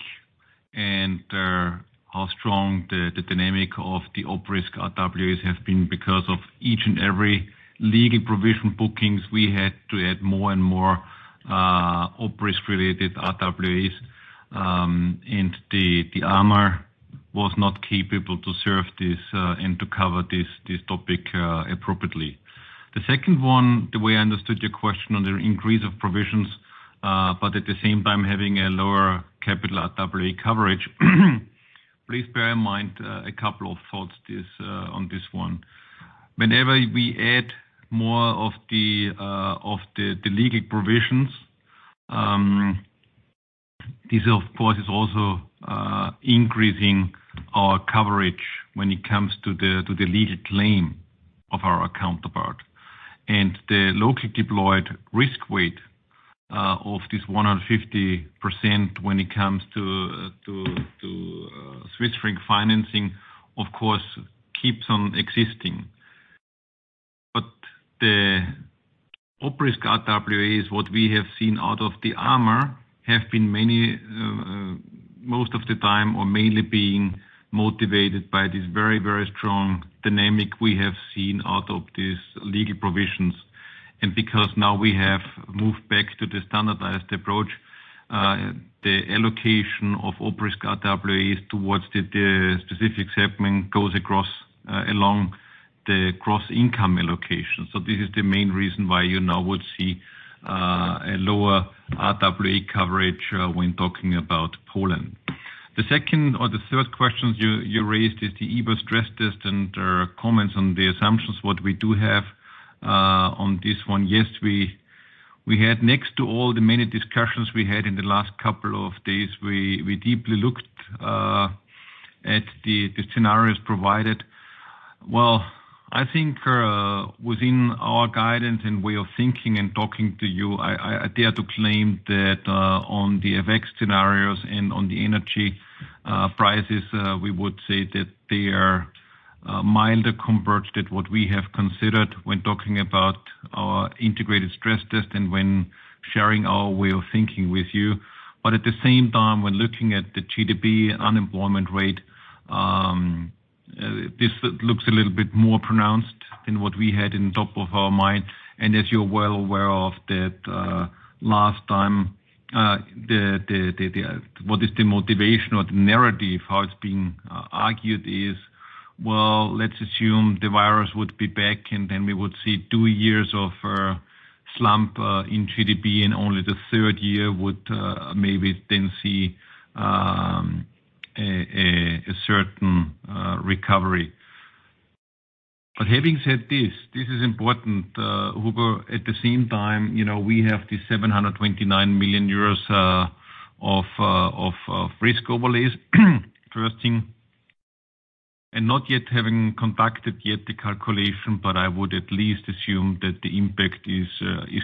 and how strong the dynamic of the op risk RWA has been because of each and every legal provision bookings we had to add more op risk related RWAs. The IRB was not capable to serve this and to cover this topic appropriately. The second one, the way I understood your question on the increase of provisions, but at the same time having a lower capital RWA coverage. Please bear in mind a couple of thoughts this on this one. Whenever we add more of the legal provisions, this of course is also increasing our coverage when it comes to the legal claim of our counterpart. The locally deployed risk weight of this 150% when it comes to Swiss franc financing, of course, keeps on existing. The op risk RWAs, what we have seen out of the IRB have been many, most of the time or mainly being motivated by this very, very strong dynamic we have seen out of these legal provisions. Because now we have moved back to the Standardized Approach, the allocation of op risk RWA towards the specific segment goes across along the cross income allocation. This is the main reason why you now would see a lower RWA coverage when talking about Poland. The second or third question you raised is the EBA stress test and comments on the assumptions. What we do have on this one, yes, we had next to all the many discussions we had in the last couple of days. We deeply looked at the scenarios provided. I think within our guidance and way of thinking and talking to you, I dare to claim that on the FX scenarios and on the energy prices, we would say that they are milder compared to what we have considered when talking about our integrated stress test and when sharing our way of thinking with you. At the same time, when looking at the GDP and unemployment rate, this looks a little bit more pronounced than what we had in top of our mind. As you're well aware of that, last time, what is the motivation or the narrative, how it's being argued is, well, let's assume the virus would be back, and then we would see 2 years of slump in GDP, and only the third year would maybe then see a certain recovery. Having said this is important, Hugo. At the same time we have this 729 million euros of risk overlays. First thing, not yet having conducted yet the calculation, but I would at least assume that the impact is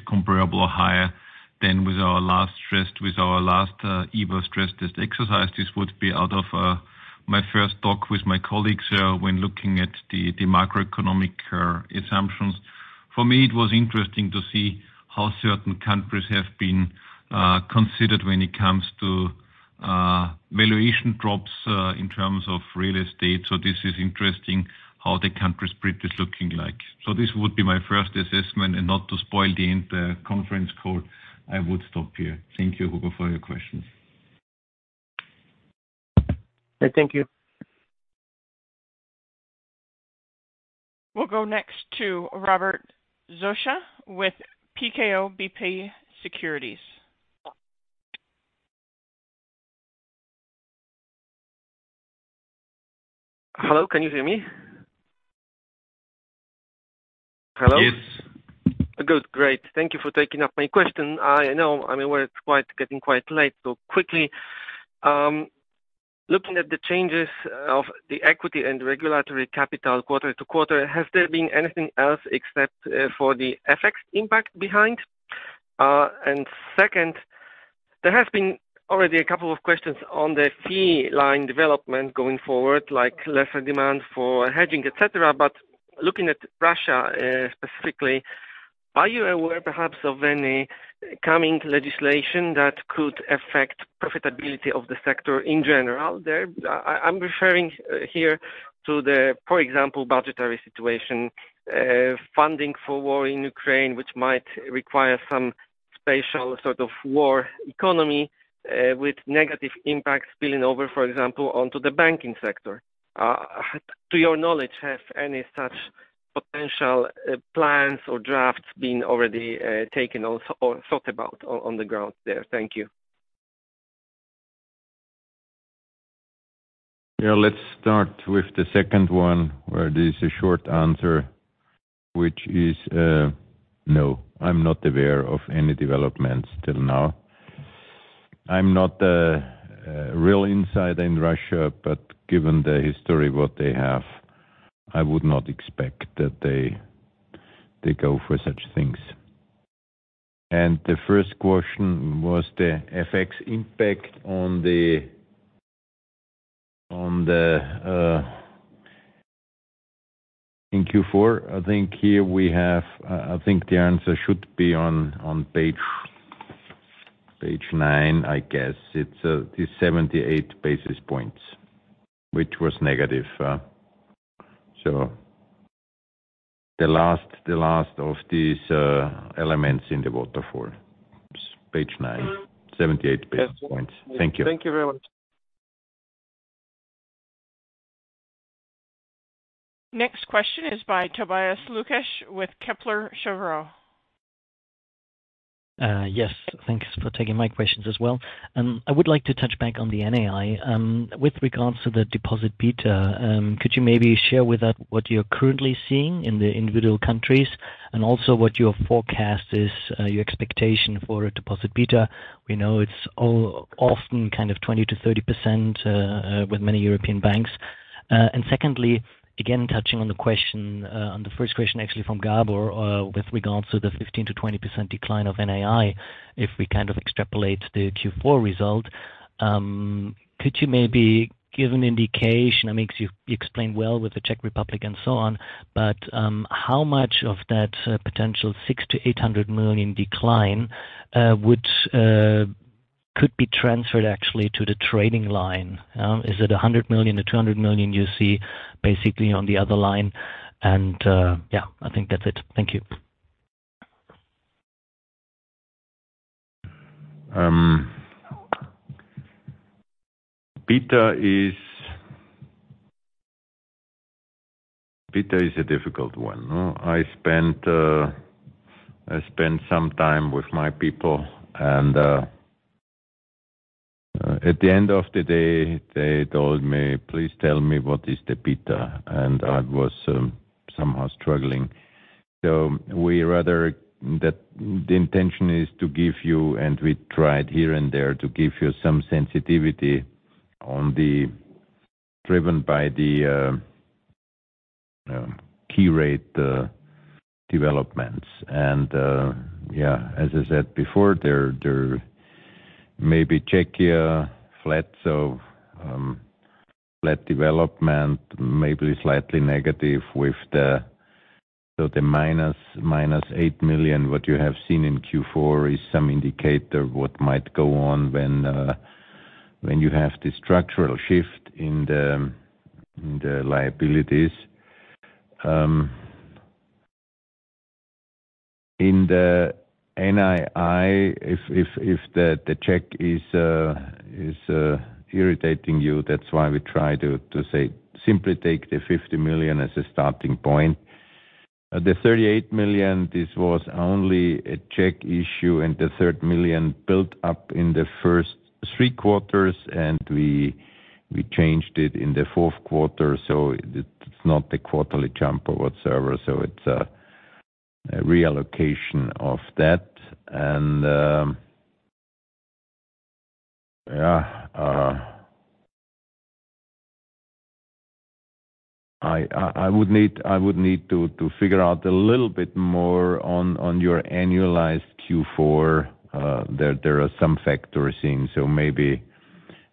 comparable or higher than with our last stress, with our last EBA stress test exercise. This would be out of my first talk with my colleagues when looking at the macroeconomic assumptions. For me, it was interesting to see how certain countries have been considered when it comes to valuation drops in terms of real estate. This is interesting how the country spread is looking like. This would be my first assessment and not to spoil the conference call. I would stop here. Thank you, Hugo, for your questions. Thank you. We'll go next to Robert Brzoza with PKO BP Securities. Hello, can you hear me? Hello? Yes. Good. Great. Thank you for taking up my question. I know, I mean, we're quite, getting quite late, so quickly. Looking at the changes of the equity and regulatory capital quarter-to-quarter, has there been anything else except for the FX impact behind? Second, there has been already a couple of questions on the fee line development going forward, like lesser demand for hedging, et cetera. Looking at Russia, specifically, are you aware perhaps of any coming legislation that could affect profitability of the sector in general? I'm referring here to the, for example, budgetary situation, funding for war in Ukraine, which might require some special sort of war economy, with negative impacts spilling over, for example, onto the banking sector. To your knowledge, have any such potential plans or drafts been already taken or thought about on the ground there? Thank you. Let's start with the second one, where there's a short answer, which is, no, I'm not aware of any developments till now. I'm not a real insider in Russia, but given the history what they have, I would not expect that they go for such things. The first question was the FX impact on the In Q4, I think the answer should be on page 9, I guess. It's the 78 basis points, which was negative. The last of these elements in the waterfall. Page 9, 78 basis points. Thank you. Thank you very much. Next question is by Tobias Lukesch with Kepler Cheuvreux. Yes, thanks for taking my questions as well. I would like to touch back on the NII. With regards to the deposit beta, could you maybe share with us what you're currently seeing in the individual countries and also what your forecast is, your expectation for deposit beta? We know it's all often kind of 20%-30% with many European banks. Secondly, again, touching on the question, on the first question actually from Gabor, with regards to the 15%-20% decline of NII, if we kind of extrapolate the Q4 result. Could you maybe give an indication, I mean, 'cause you explained well with the Czech Republic and so on, but, how much of that potential 600 million-800 million decline, which, could be transferred actually to the trading line? Is it 100 million-200 million you see basically on the other line? Yeah, I think that's it. Thank you. Beta is a difficult one, no? I spent some time with my people at the end of the day, they told me, "Please tell me what is the beta." I was somehow struggling. We rather that the intention is to give you, and we tried here and there to give you some sensitivity on the driven by the key rate developments. Yeah, as I said before, there may be Czechia flats of flat development, maybe slightly negative with the, so the minus -8 million, what you have seen in Q4 is some indicator what might go on when you have this structural shift in the liabilities. In the NII if the check is irritating you, that's why we try to say simply take the 50 million as a starting point. The 38 million, this was only a check issue, and the 3 million built up in the first 3 quarters, and we changed it in the 4th quarter, so it's not a quarterly jump or whatsoever. It's a reallocation of that. Yeah, I would need to figure out a little bit more on your annualized Q4. There are some factors in.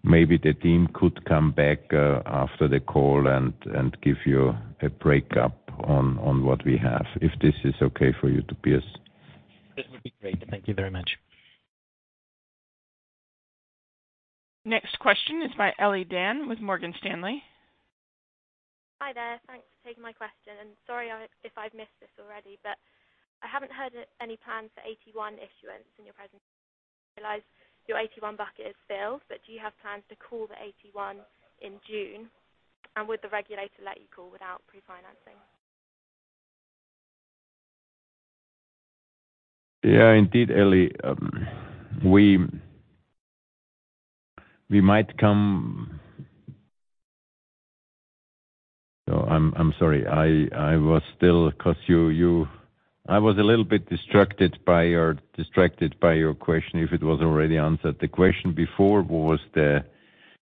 Maybe the team could come back after the call and give you a break up on what we have, if this is okay for you to Piers. This would be great. Thank you very much. Next question is by Elena Dan with Morgan Stanley. Hi there. Thanks for taking my question. Sorry if I've missed this already, I haven't heard any plans for AT1 issuance in your presentation. I realize your AT1 bucket is filled, do you have plans to call the AT1 in June? Would the regulator let you call without pre-financing? Yeah, indeed, Ellie. We might come. I'm sorry. I was a little bit distracted by your question, if it was already answered. The question before was the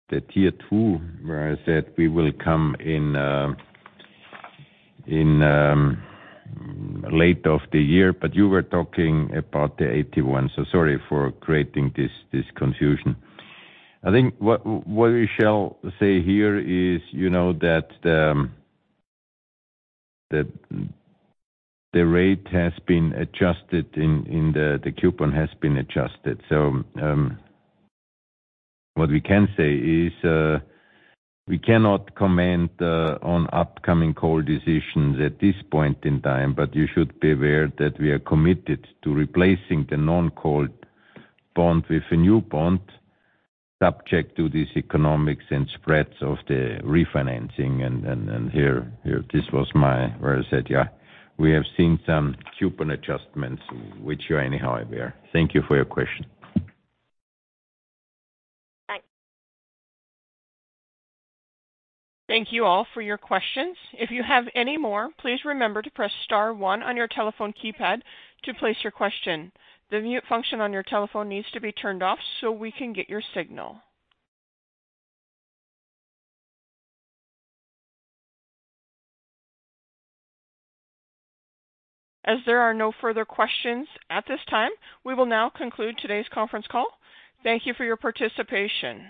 Tier 2, where I said we will come in late of the year. You were talking about the AT1. Sorry for creating this confusion. I think what we shall say here is that the rate has been adjusted in the coupon has been adjusted. What we can say is, we cannot comment on upcoming call decisions at this point in time, but you should be aware that we are committed to replacing the non-call bond with a new bond subject to these economics and spreads of the refinancing. Here, this was my where I said, yeah, we have seen some coupon adjustments which you anyhow aware. Thank you for your question. Thanks. Thank you all for your questions. If you have any more, please remember to press star one on your telephone keypad to place your question. The mute function on your telephone needs to be turned off so we can get your signal. As there are no further questions at this time, we will now conclude today's conference call. Thank you for your participation.